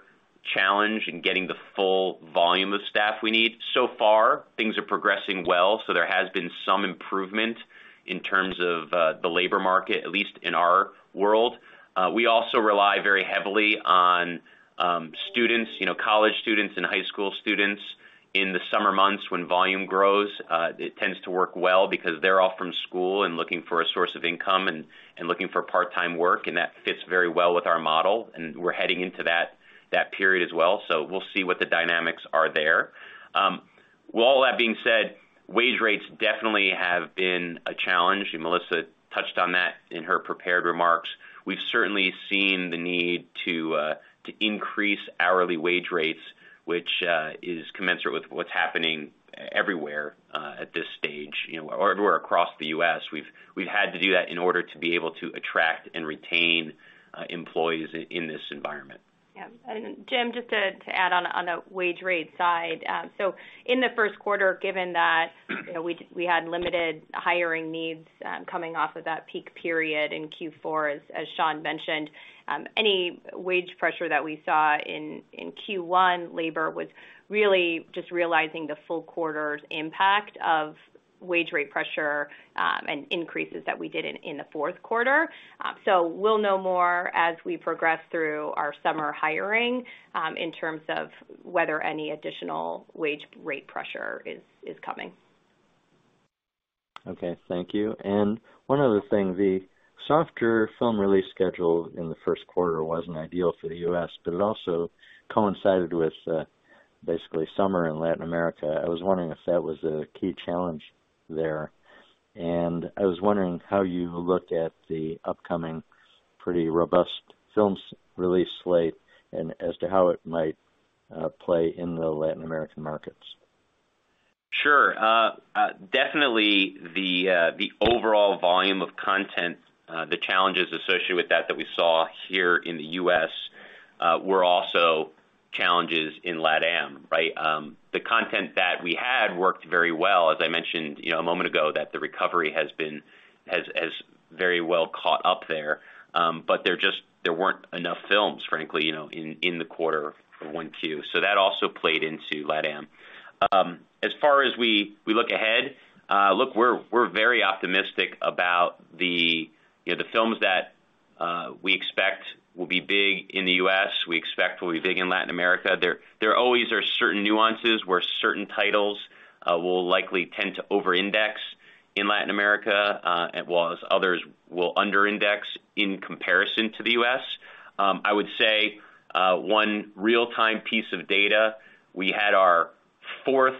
challenge in getting the full volume of staff we need. So far, things are progressing well, so there has been some improvement in terms of the labor market, at least in our world. We also rely very heavily on students, you know, college students and high school students in the summer months when volume grows. It tends to work well because they're off from school and looking for a source of income and looking for part-time work, and that fits very well with our model, and we're heading into that period as well. We'll see what the dynamics are there. With all that being said, wage rates definitely have been a challenge, and Melissa touched on that in her prepared remarks. We've certainly seen the need to increase hourly wage rates, which is commensurate with what's happening everywhere, at this stage, you know, or everywhere across the U.S. We've had to do that in order to be able to attract and retain employees in this environment. Yeah. Jim, just to add on the wage rate side. In the first quarter, given that, you know, we had limited hiring needs coming off of that peak period in Q4, as Sean mentioned, any wage pressure that we saw in Q1 labor was really just realizing the full quarter's impact of wage rate pressure and increases that we did in the fourth quarter. We'll know more as we progress through our summer hiring in terms of whether any additional wage rate pressure is coming. Okay. Thank you. One other thing, the softer film release schedule in the first quarter wasn't ideal for the US, but it also coincided with basically summer in Latin America. I was wondering if that was a key challenge there. I was wondering how you look at the upcoming pretty robust film release slate and as to how it might play in the Latin American markets. Sure. Definitely the overall volume of content, the challenges associated with that we saw here in the U.S., were also challenges in LATAM, right? The content that we had worked very well, as I mentioned, you know, a moment ago, that the recovery has very well caught up there, but there just weren't enough films, frankly, you know, in the quarter for 1Q. That also played into LATAM. As far as we look ahead, we're very optimistic about the, you know, the films that we expect will be big in the U.S., we expect will be big in Latin America. There always are certain nuances where certain titles will likely tend to over-index in Latin America, whereas others will under-index in comparison to the U.S. I would say one real-time piece of data, we had our fourth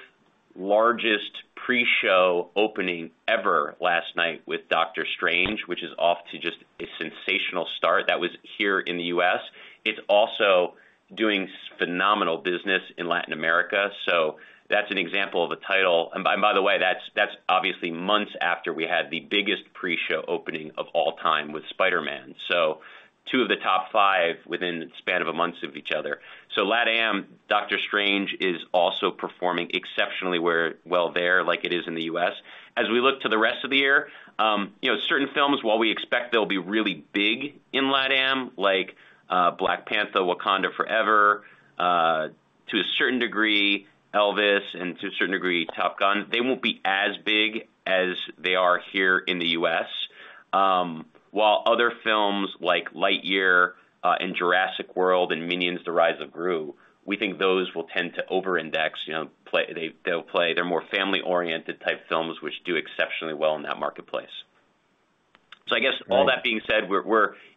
largest pre-show opening ever last night with Doctor Strange, which is off to just a sensational start. That was here in the U.S. It's also doing phenomenal business in Latin America. That's an example of a title. By the way, that's obviously months after we had the biggest pre-show opening of all time with Spider-Man. Two of the top five within the span of a month of each other. LATAM, Doctor Strange is also performing exceptionally well there, like it is in the U.S. As we look to the rest of the year, you know, certain films, while we expect they'll be really big in LATAM, like, Black Panther: Wakanda Forever, to a certain degree, Elvis, and to a certain degree, Top Gun, they won't be as big as they are here in the U.S. While other films like Lightyear, and Jurassic World and Minions: The Rise of Gru, we think those will tend to over-index, you know, they'll play. They're more family-oriented type films, which do exceptionally well in that marketplace. I guess all that being said,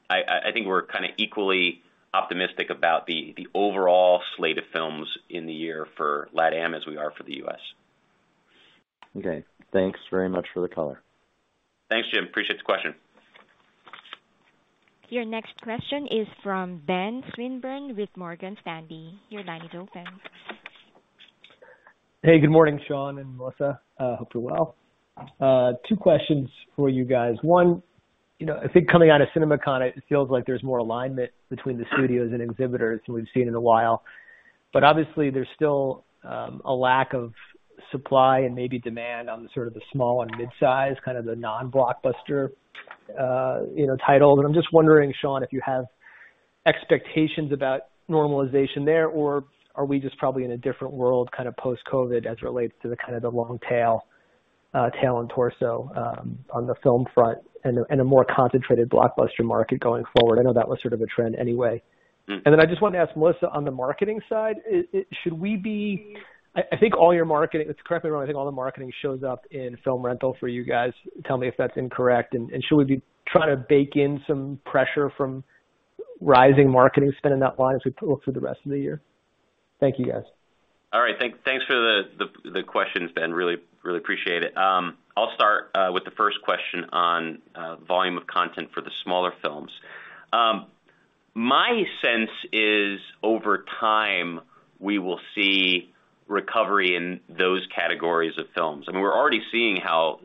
I think we're kind of equally optimistic about the overall slate of films in the year for LATAM as we are for the U.S. Okay. Thanks very much for the color. Thanks, Jim. Appreciate the question. Your next question is from Ben Swinburne with Morgan Stanley. Your line is open. Hey, good morning, Sean and Melissa. Hope you're well. Two questions for you guys. One, you know, I think coming out of CinemaCon, it feels like there's more alignment between the studios and exhibitors than we've seen in a while. Obviously, there's still a lack of supply and maybe demand on sort of the small and mid-size, kind of the non-blockbuster, you know, titles. And I'm just wondering, Sean, if you have expectations about normalization there, or are we just probably in a different world, kind of post-COVID as it relates to the kind of the long tail and torso on the film front and a more concentrated blockbuster market going forward? I know that was sort of a trend anyway. Mm. I just wanted to ask Melissa, on the marketing side, should we be? Correct me if I'm wrong, I think all the marketing shows up in film rental for you guys. Tell me if that's incorrect. Should we be trying to bake in some pressure from rising marketing spend in that line as we look through the rest of the year? Thank you, guys. All right. Thanks for the question, Ben. Really appreciate it. I'll start with the first question on volume of content for the smaller films. My sense is, over time, we will see recovery in those categories of films. I mean, we're already seeing how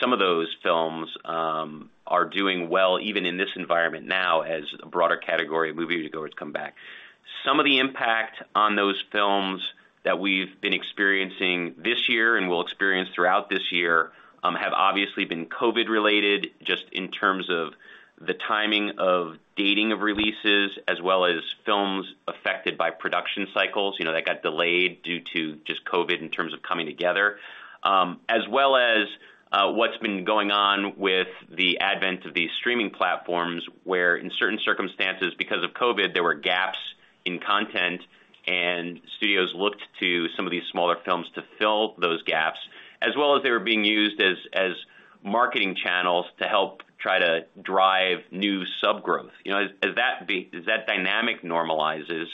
some of those films are doing well even in this environment now as a broader category of moviegoers come back. Some of the impact on those films that we've been experiencing this year and will experience throughout this year have obviously been COVID-related, just in terms of the timing of dating of releases, as well as films affected by production cycles, you know, that got delayed due to just COVID in terms of coming together, as well as what's been going on with the advent of these streaming platforms, where in certain circumstances, because of COVID, there were gaps in content, and studios looked to some of these smaller films to fill those gaps, as well as they were being used as marketing channels to help try to drive new sub growth. You know, as that dynamic normalizes,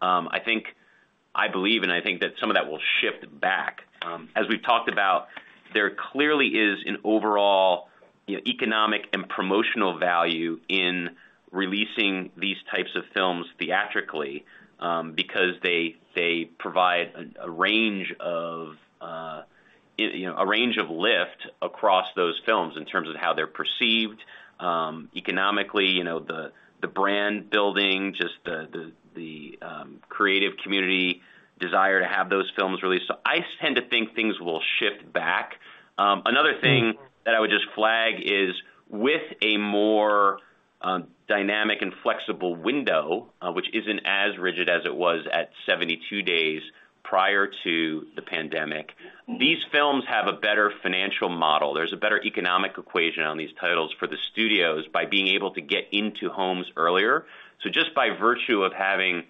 I think, I believe and I think that some of that will shift back. As we've talked about, there clearly is an overall, you know, economic and promotional value in releasing these types of films theatrically, because they provide a range of, you know, a range of lift across those films in terms of how they're perceived, economically, you know, the creative community desire to have those films released. I tend to think things will shift back. Another thing that I would just flag is, with a more dynamic and flexible window, which isn't as rigid as it was at 72 days prior to the pandemic, these films have a better financial model. There's a better economic equation on these titles for the studios by being able to get into homes earlier. Just by virtue of having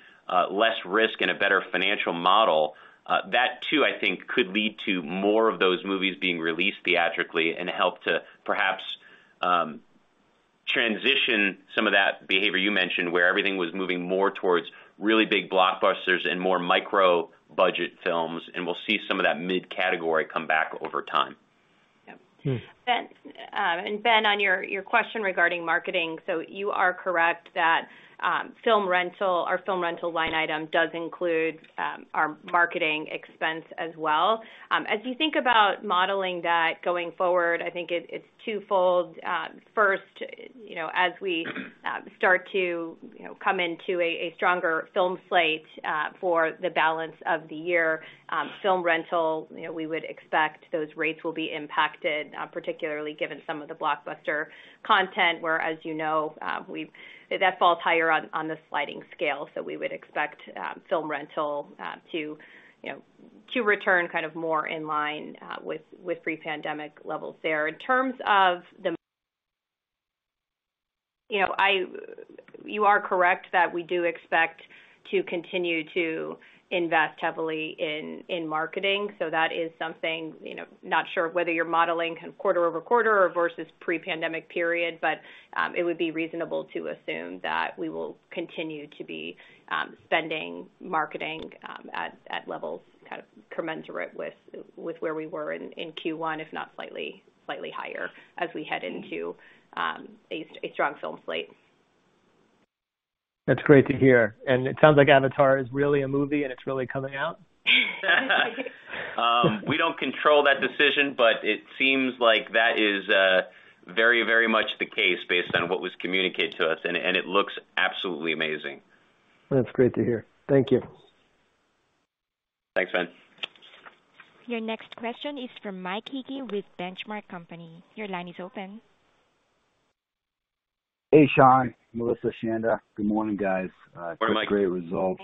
less risk and a better financial model, that too, I think, could lead to more of those movies being released theatrically and help to perhaps transition some of that behavior you mentioned, where everything was moving more towards really big blockbusters and more micro-budget films, and we'll see some of that mid category come back over time. Yep. Ben, on your question regarding marketing. You are correct that film rental line item does include our marketing expense as well. As you think about modeling that going forward, I think it's twofold. First, you know, as we start to, you know, come into a stronger film slate for the balance of the year, film rental, you know, we would expect those rates will be impacted, particularly given some of the blockbuster content where, as you know, that falls higher on the sliding scale. We would expect film rental to, you know, to return kind of more in line with pre-pandemic levels there. In terms of, you know, you are correct that we do expect to continue to invest heavily in marketing. That is something, you know, not sure whether you're modeling kind of quarter-over-quarter or versus pre-pandemic period, but it would be reasonable to assume that we will continue to be spending marketing at levels kind of commensurate with where we were in Q1, if not slightly higher as we head into a strong film slate. That's great to hear. It sounds like Avatar is really a movie, and it's really coming out. We don't control that decision, but it seems like that is very, very much the case based on what was communicated to us. It looks absolutely amazing. That's great to hear. Thank you. Thanks, Ben. Your next question is from Mike Hickey with The Benchmark Company. Your line is open. Hey, Sean, Melissa, Chanda. Good morning, guys. Morning, Mike. Such great results.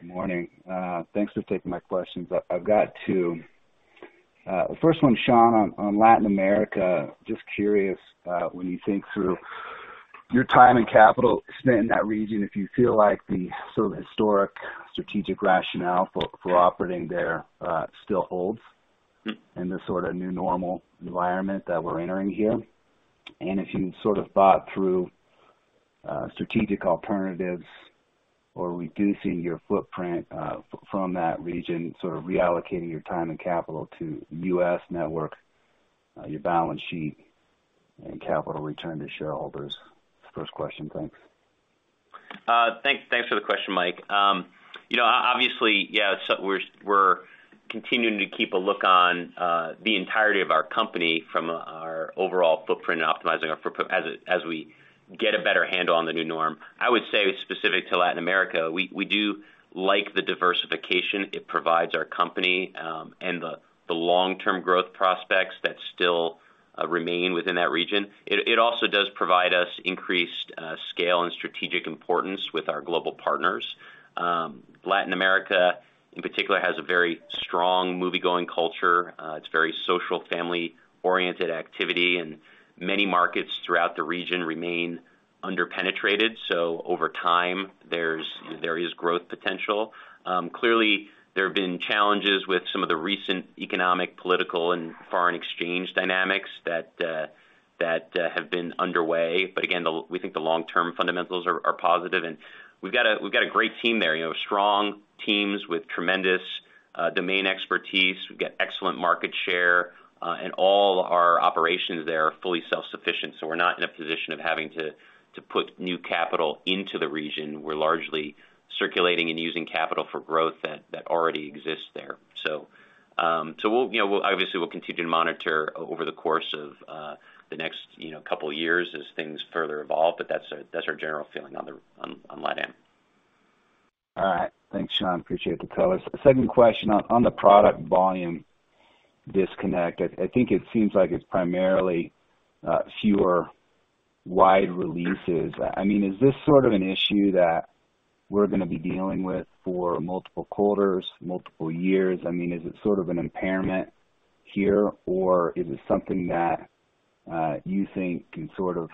Good morning. Thanks for taking my questions. I've got two. The first one, Sean, on Latin America. Just curious, when you think through your time and capital spent in that region, if you feel like the sort of historic strategic rationale for operating there still holds in this sort of new normal environment that we're entering here? And if you sort of thought through strategic alternatives or reducing your footprint from that region, sort of reallocating your time and capital to U.S. network, your balance sheet and capital return to shareholders? It's the first question. Thanks. Thanks for the question, Mike. You know, obviously, yeah, we're continuing to keep a look on the entirety of our company from our overall footprint and optimizing our footprint as we get a better handle on the new norm. I would say specific to Latin America, we do like the diversification it provides our company, and the long-term growth prospects that still remain within that region. It also does provide us increased scale and strategic importance with our global partners. Latin America, in particular, has a very strong moviegoing culture. It's very social, family-oriented activity, and many markets throughout the region remain under-penetrated. Over time, there is growth potential. Clearly, there have been challenges with some of the recent economic, political and foreign exchange dynamics that have been underway. Again, we think the long-term fundamentals are positive. We've got a great team there, you know, strong teams with tremendous domain expertise. We've got excellent market share, and all our operations there are fully self-sufficient, so we're not in a position of having to put new capital into the region. We're largely circulating and using capital for growth that already exists there. We'll, you know, obviously continue to monitor over the course of the next couple years as things further evolve, but that's our general feeling on LatAm. All right. Thanks, Sean. Appreciate the colors. Second question on the product volume disconnect. I think it seems like it's primarily fewer wide releases. I mean, is this sort of an issue that we're gonna be dealing with for multiple quarters, multiple years? I mean, is it sort of an impairment here, or is it something that you think can sort of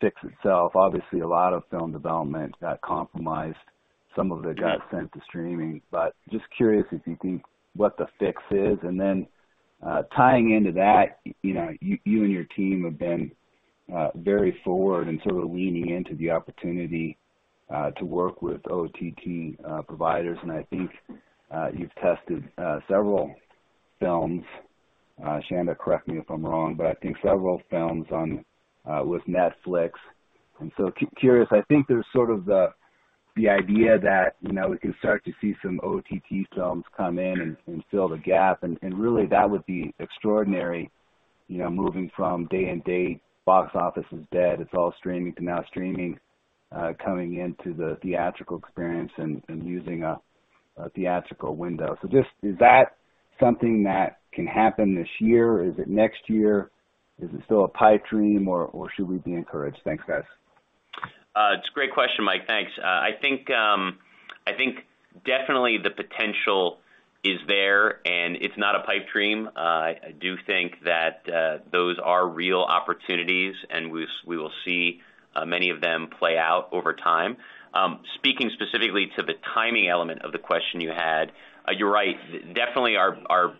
fix itself? Obviously, a lot of film development got compromised. Some of it got sent to streaming. But just curious if you think what the fix is. Then, tying into that, you know, you and your team have been very forward and sort of leaning into the opportunity to work with OTT providers. I think you've tested several films. Chanda, correct me if I'm wrong, but I think several films with Netflix. Curious, I think there's sort of the idea that, you know, we can start to see some OTT films come in and fill the gap, and really that would be extraordinary, you know, moving from day and date, box office is dead, it's all streaming to now streaming coming into the theatrical experience and using a theatrical window. Just, is that something that can happen this year? Is it next year? Is it still a pipe dream or should we be encouraged? Thanks, guys. It's a great question, Mike. Thanks. I think definitely the potential is there and it's not a pipe dream. I do think that those are real opportunities and we will see many of them play out over time. Speaking specifically to the timing element of the question you had, you're right. Definitely,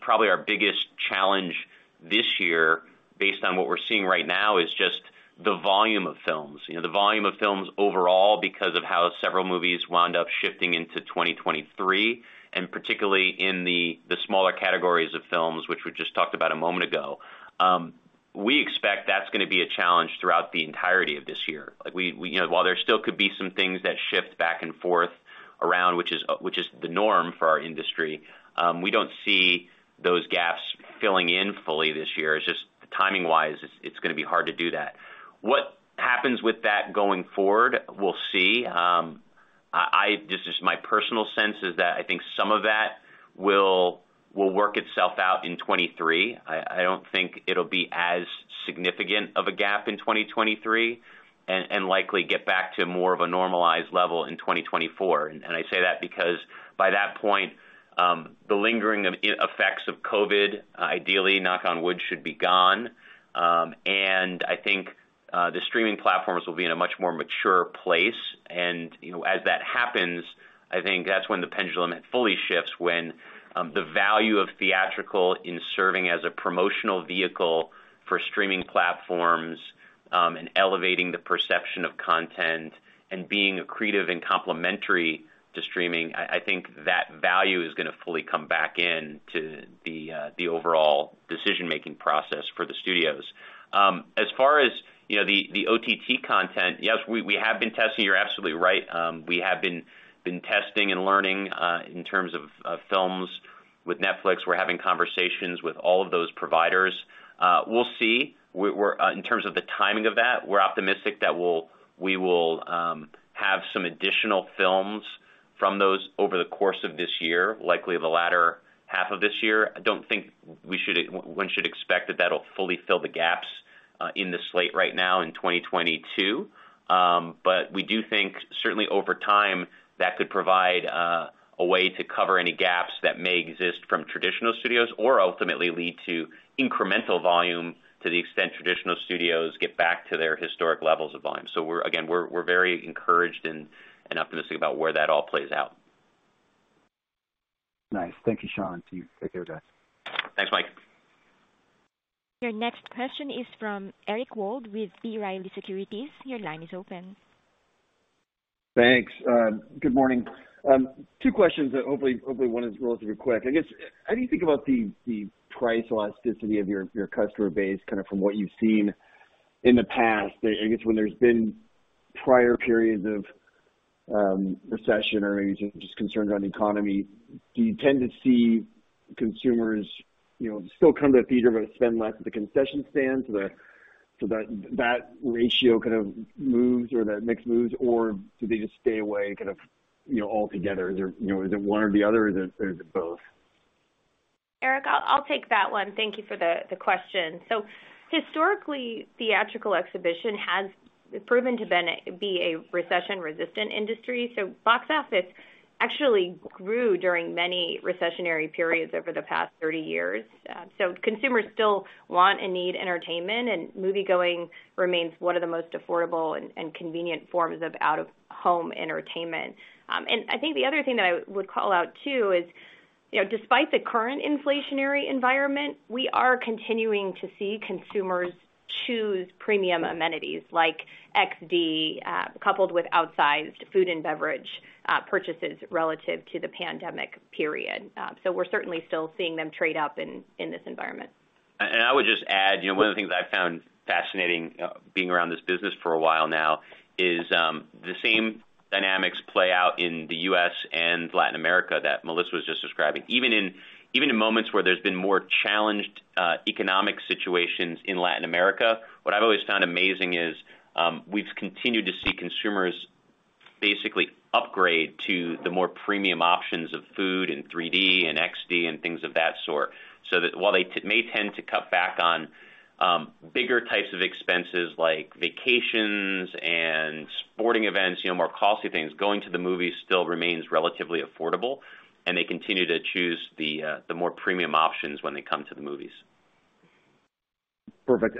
probably our biggest challenge this year based on what we're seeing right now is just the volume of films, you know, the volume of films overall because of how several movies wound up shifting into 2023, and particularly in the smaller categories of films which we just talked about a moment ago, we expect that's gonna be a challenge throughout the entirety of this year. Like we, you know, while there still could be some things that shift back and forth around, which is the norm for our industry, we don't see those gaps filling in fully this year. It's just timing-wise, it's gonna be hard to do that. What happens with that going forward, we'll see. This is my personal sense is that I think some of that will work itself out in 2023. I don't think it'll be as significant of a gap in 2023 and likely get back to more of a normalized level in 2024. I say that because by that point, the lingering effects of COVID ideally, knock on wood, should be gone. I think the streaming platforms will be in a much more mature place. You know, as that happens, I think that's when the pendulum fully shifts, when the value of theatrical in serving as a promotional vehicle for streaming platforms, and elevating the perception of content and being accretive and complementary to streaming, I think that value is gonna fully come back in to the overall decision-making process for the studios. As far as, you know, the OTT content, yes, we have been testing. You're absolutely right. We have been testing and learning in terms of films with Netflix. We're having conversations with all of those providers. We'll see. In terms of the timing of that, we're optimistic that we'll have some additional films from those over the course of this year, likely the latter half of this year. I don't think one should expect that that'll fully fill the gaps in the slate right now in 2022. We do think certainly over time, that could provide a way to cover any gaps that may exist from traditional studios or ultimately lead to incremental volume to the extent traditional studios get back to their historic levels of volume. We're, again, very encouraged and optimistic about where that all plays out. Nice. Thank you, Sean. See you. Take care, guys. Thanks, Mike. Your next question is from Eric Wold with B. Riley Securities. Your line is open. Thanks. Good morning. Two questions, hopefully one is relatively quick. I guess, how do you think about the price elasticity of your customer base, kind of from what you've seen in the past? I guess, when there's been prior periods of recession or maybe just concerns on economy, do you tend to see consumers, you know, still come to the theater but spend less at the concession stands so that that ratio kind of moves or that mix moves? Or do they just stay away kind of, you know, altogether? Is there, you know, is it one or the other, or is it both? Eric, I'll take that one. Thank you for the question. Historically, theatrical exhibition has proven to be a recession-resistant industry. Box office actually grew during many recessionary periods over the past 30 years. Consumers still want and need entertainment, and moviegoing remains one of the most affordable and convenient forms of out-of-home entertainment. I think the other thing that I would call out too is, you know, despite the current inflationary environment, we are continuing to see consumers choose premium amenities like XD, coupled with outsized food and beverage purchases relative to the pandemic period. We're certainly still seeing them trade up in this environment. I would just add, you know, one of the things I found fascinating, being around this business for a while now is the same dynamics play out in the U.S. and Latin America that Melissa was just describing. Even in moments where there's been more challenging economic situations in Latin America, what I've always found amazing is we've continued to see consumers basically upgrade to the more premium options of food and 3D and XD and things of that sort. That while they may tend to cut back on bigger types of expenses like vacations and sporting events, you know, more costly things, going to the movies still remains relatively affordable, and they continue to choose the more premium options when they come to the movies. Perfect.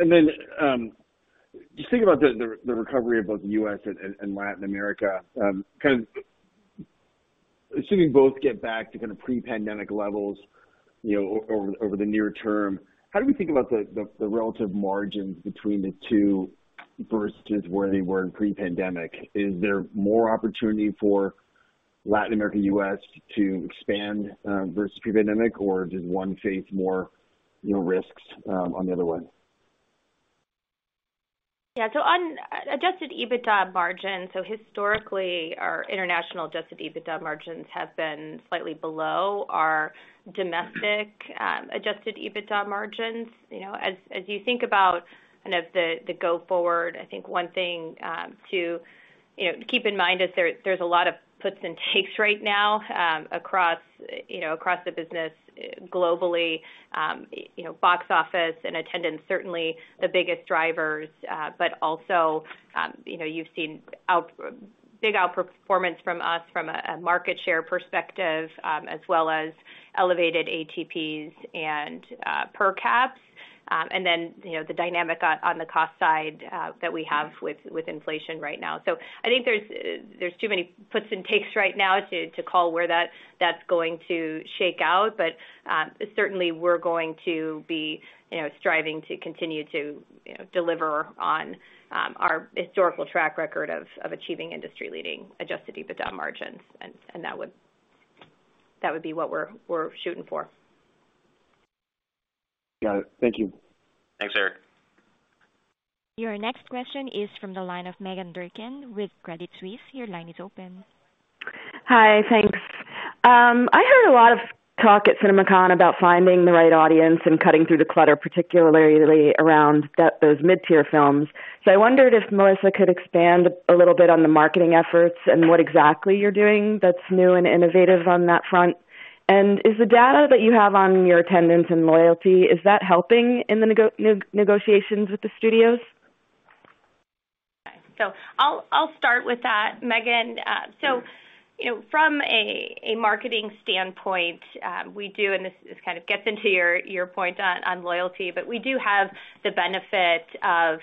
Just thinking about the recovery of both U.S. and Latin America, kind of assuming both get back to kind of pre-pandemic levels, you know, over the near term, how do we think about the relative margins between the two versus where they were in pre-pandemic? Is there more opportunity for Latin America and U.S. to expand versus pre-pandemic, or does one face more, you know, risks than the other one? On Adjusted EBITDA margin, so historically, our international Adjusted EBITDA margins have been slightly below our domestic- Mm-hmm. Adjusted EBITDA margins. You know, as you think about kind of the go forward, I think one thing to keep in mind is there's a lot of puts and takes right now across the business globally. You know, box office and attendance certainly the biggest drivers, but also you know, you've seen big outperformance from us from a market share perspective, as well as elevated ATPs and per caps. You know, the dynamic on the cost side that we have with inflation right now. I think there's too many puts and takes right now to call where that's going to shake out. Certainly we're going to be, you know, striving to continue to, you know, deliver on our historical track record of achieving industry-leading Adjusted EBITDA margins. That would be what we're shooting for. Got it. Thank you. Thanks, Eric. Your next question is from the line of Meghan Durkin with Credit Suisse. Your line is open. Hi. Thanks. I heard a lot of talk at CinemaCon about finding the right audience and cutting through the clutter, particularly around those mid-tier films. I wondered if Melissa could expand a little bit on the marketing efforts and what exactly you're doing that's new and innovative on that front. Is the data that you have on your attendance and loyalty helping in the negotiations with the studios? I'll start with that, Meghan. You know, from a marketing standpoint, we do, and this kind of gets into your point on loyalty, but we do have the benefit of,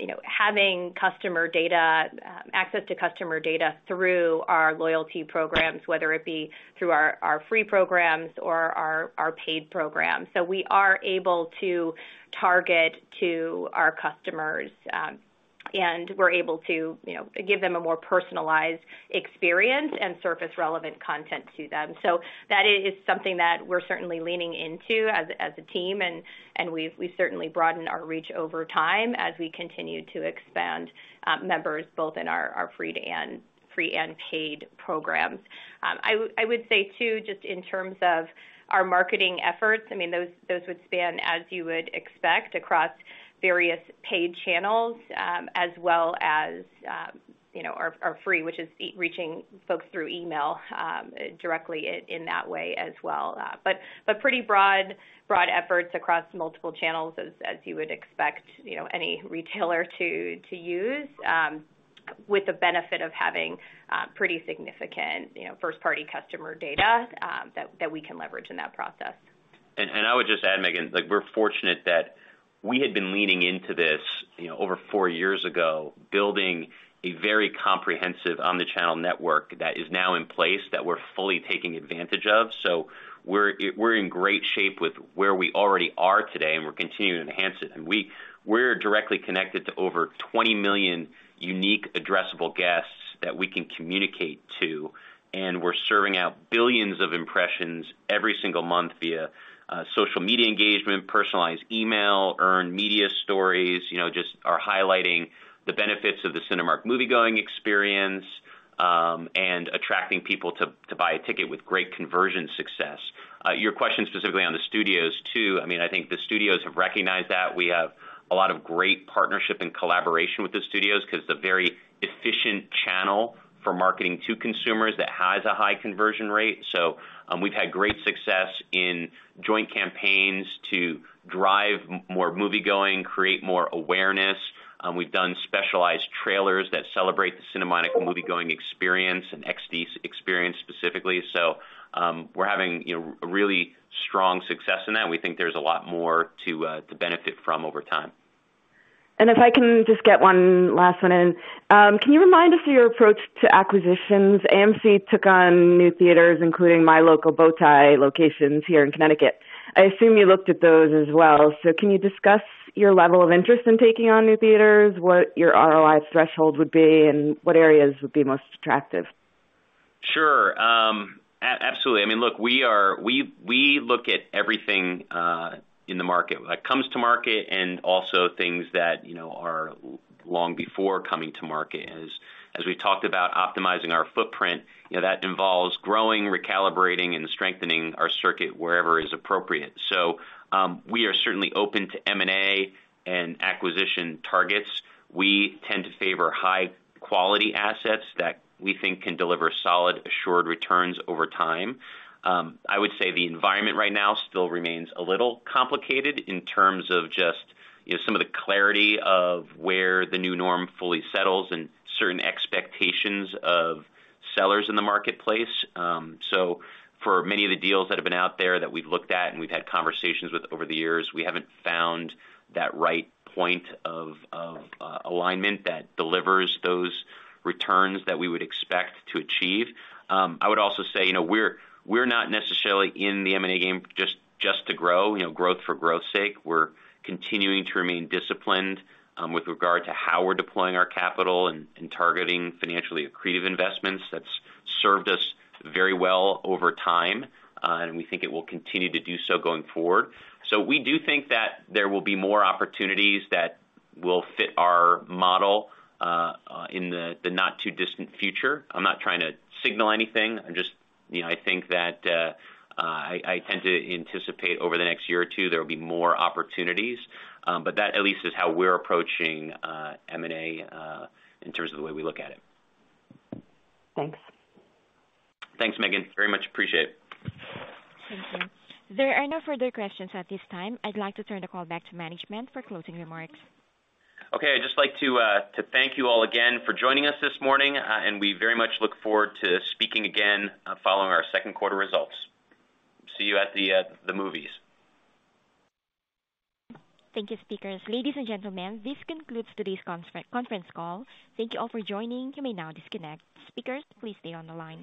you know, having customer data, access to customer data through our loyalty programs, whether it be through our free programs or our paid programs. We are able to target to our customers, and we're able to, you know, give them a more personalized experience and surface relevant content to them. That is something that we're certainly leaning into as a team, and we've certainly broadened our reach over time as we continue to expand members both in our free and paid programs. I would say too, just in terms of our marketing efforts, I mean, those would span, as you would expect, across various paid channels, as well as, you know, our free, which is reaching folks through email, directly in that way as well. But pretty broad efforts across multiple channels as you would expect, you know, any retailer to use, with the benefit of having pretty significant, you know, first-party customer data, that we can leverage in that process. I would just add, Meghan, like we're fortunate that we had been leaning into this, you know, over four years ago, building a very comprehensive omni-channel network that is now in place that we're fully taking advantage of. We're in great shape with where we already are today, and we're continuing to enhance it. We're directly connected to over 20 million unique addressable guests that we can communicate to. We're serving out billions of impressions every single month via social media engagement, personalized email, earned media stories. You know, just are highlighting the benefits of the Cinemark moviegoing experience and attracting people to buy a ticket with great conversion success. Your question specifically on the studios, too. I mean, I think the studios have recognized that. We have a lot of great partnership and collaboration with the studios 'cause it's a very efficient channel for marketing to consumers that has a high conversion rate. We've had great success in joint campaigns to drive more moviegoing, create more awareness. We've done specialized trailers that celebrate the cinematic moviegoing experience and XD experience specifically. We're having, you know, a really strong success in that, and we think there's a lot more to benefit from over time. If I can just get one last one in. Can you remind us of your approach to acquisitions? AMC took on new theaters, including my local Bow Tie locations here in Connecticut. I assume you looked at those as well. Can you discuss your level of interest in taking on new theaters, what your ROI threshold would be, and what areas would be most attractive? Sure. Absolutely. I mean, look, we look at everything in the market, what comes to market and also things that you know are long before coming to market. As we talked about optimizing our footprint, you know, that involves growing, recalibrating, and strengthening our circuit wherever is appropriate. We are certainly open to M&A and acquisition targets. We tend to favor high quality assets that we think can deliver solid, assured returns over time. I would say the environment right now still remains a little complicated in terms of just, you know, some of the clarity of where the new norm fully settles and certain expectations of sellers in the marketplace. For many of the deals that have been out there that we've looked at and we've had conversations with over the years, we haven't found that right point of alignment that delivers those returns that we would expect to achieve. I would also say, you know, we're not necessarily in the M&A game just to grow, you know, growth for growth's sake. We're continuing to remain disciplined with regard to how we're deploying our capital and targeting financially accretive investments. That's served us very well over time, and we think it will continue to do so going forward. We do think that there will be more opportunities that will fit our model in the not too distant future. I'm not trying to signal anything. I'm just, you know, I think that I tend to anticipate over the next year or two there will be more opportunities. That at least is how we're approaching M&A in terms of the way we look at it. Thanks. Thanks, Meghan, very much appreciate it. Thank you. There are no further questions at this time. I'd like to turn the call back to management for closing remarks. Okay. I'd just like to thank you all again for joining us this morning, and we very much look forward to speaking again following our second quarter results. See you at the movies. Thank you, speakers. Ladies and gentlemen, this concludes today's conference call. Thank you all for joining. You may now disconnect. Speakers, please stay on the line.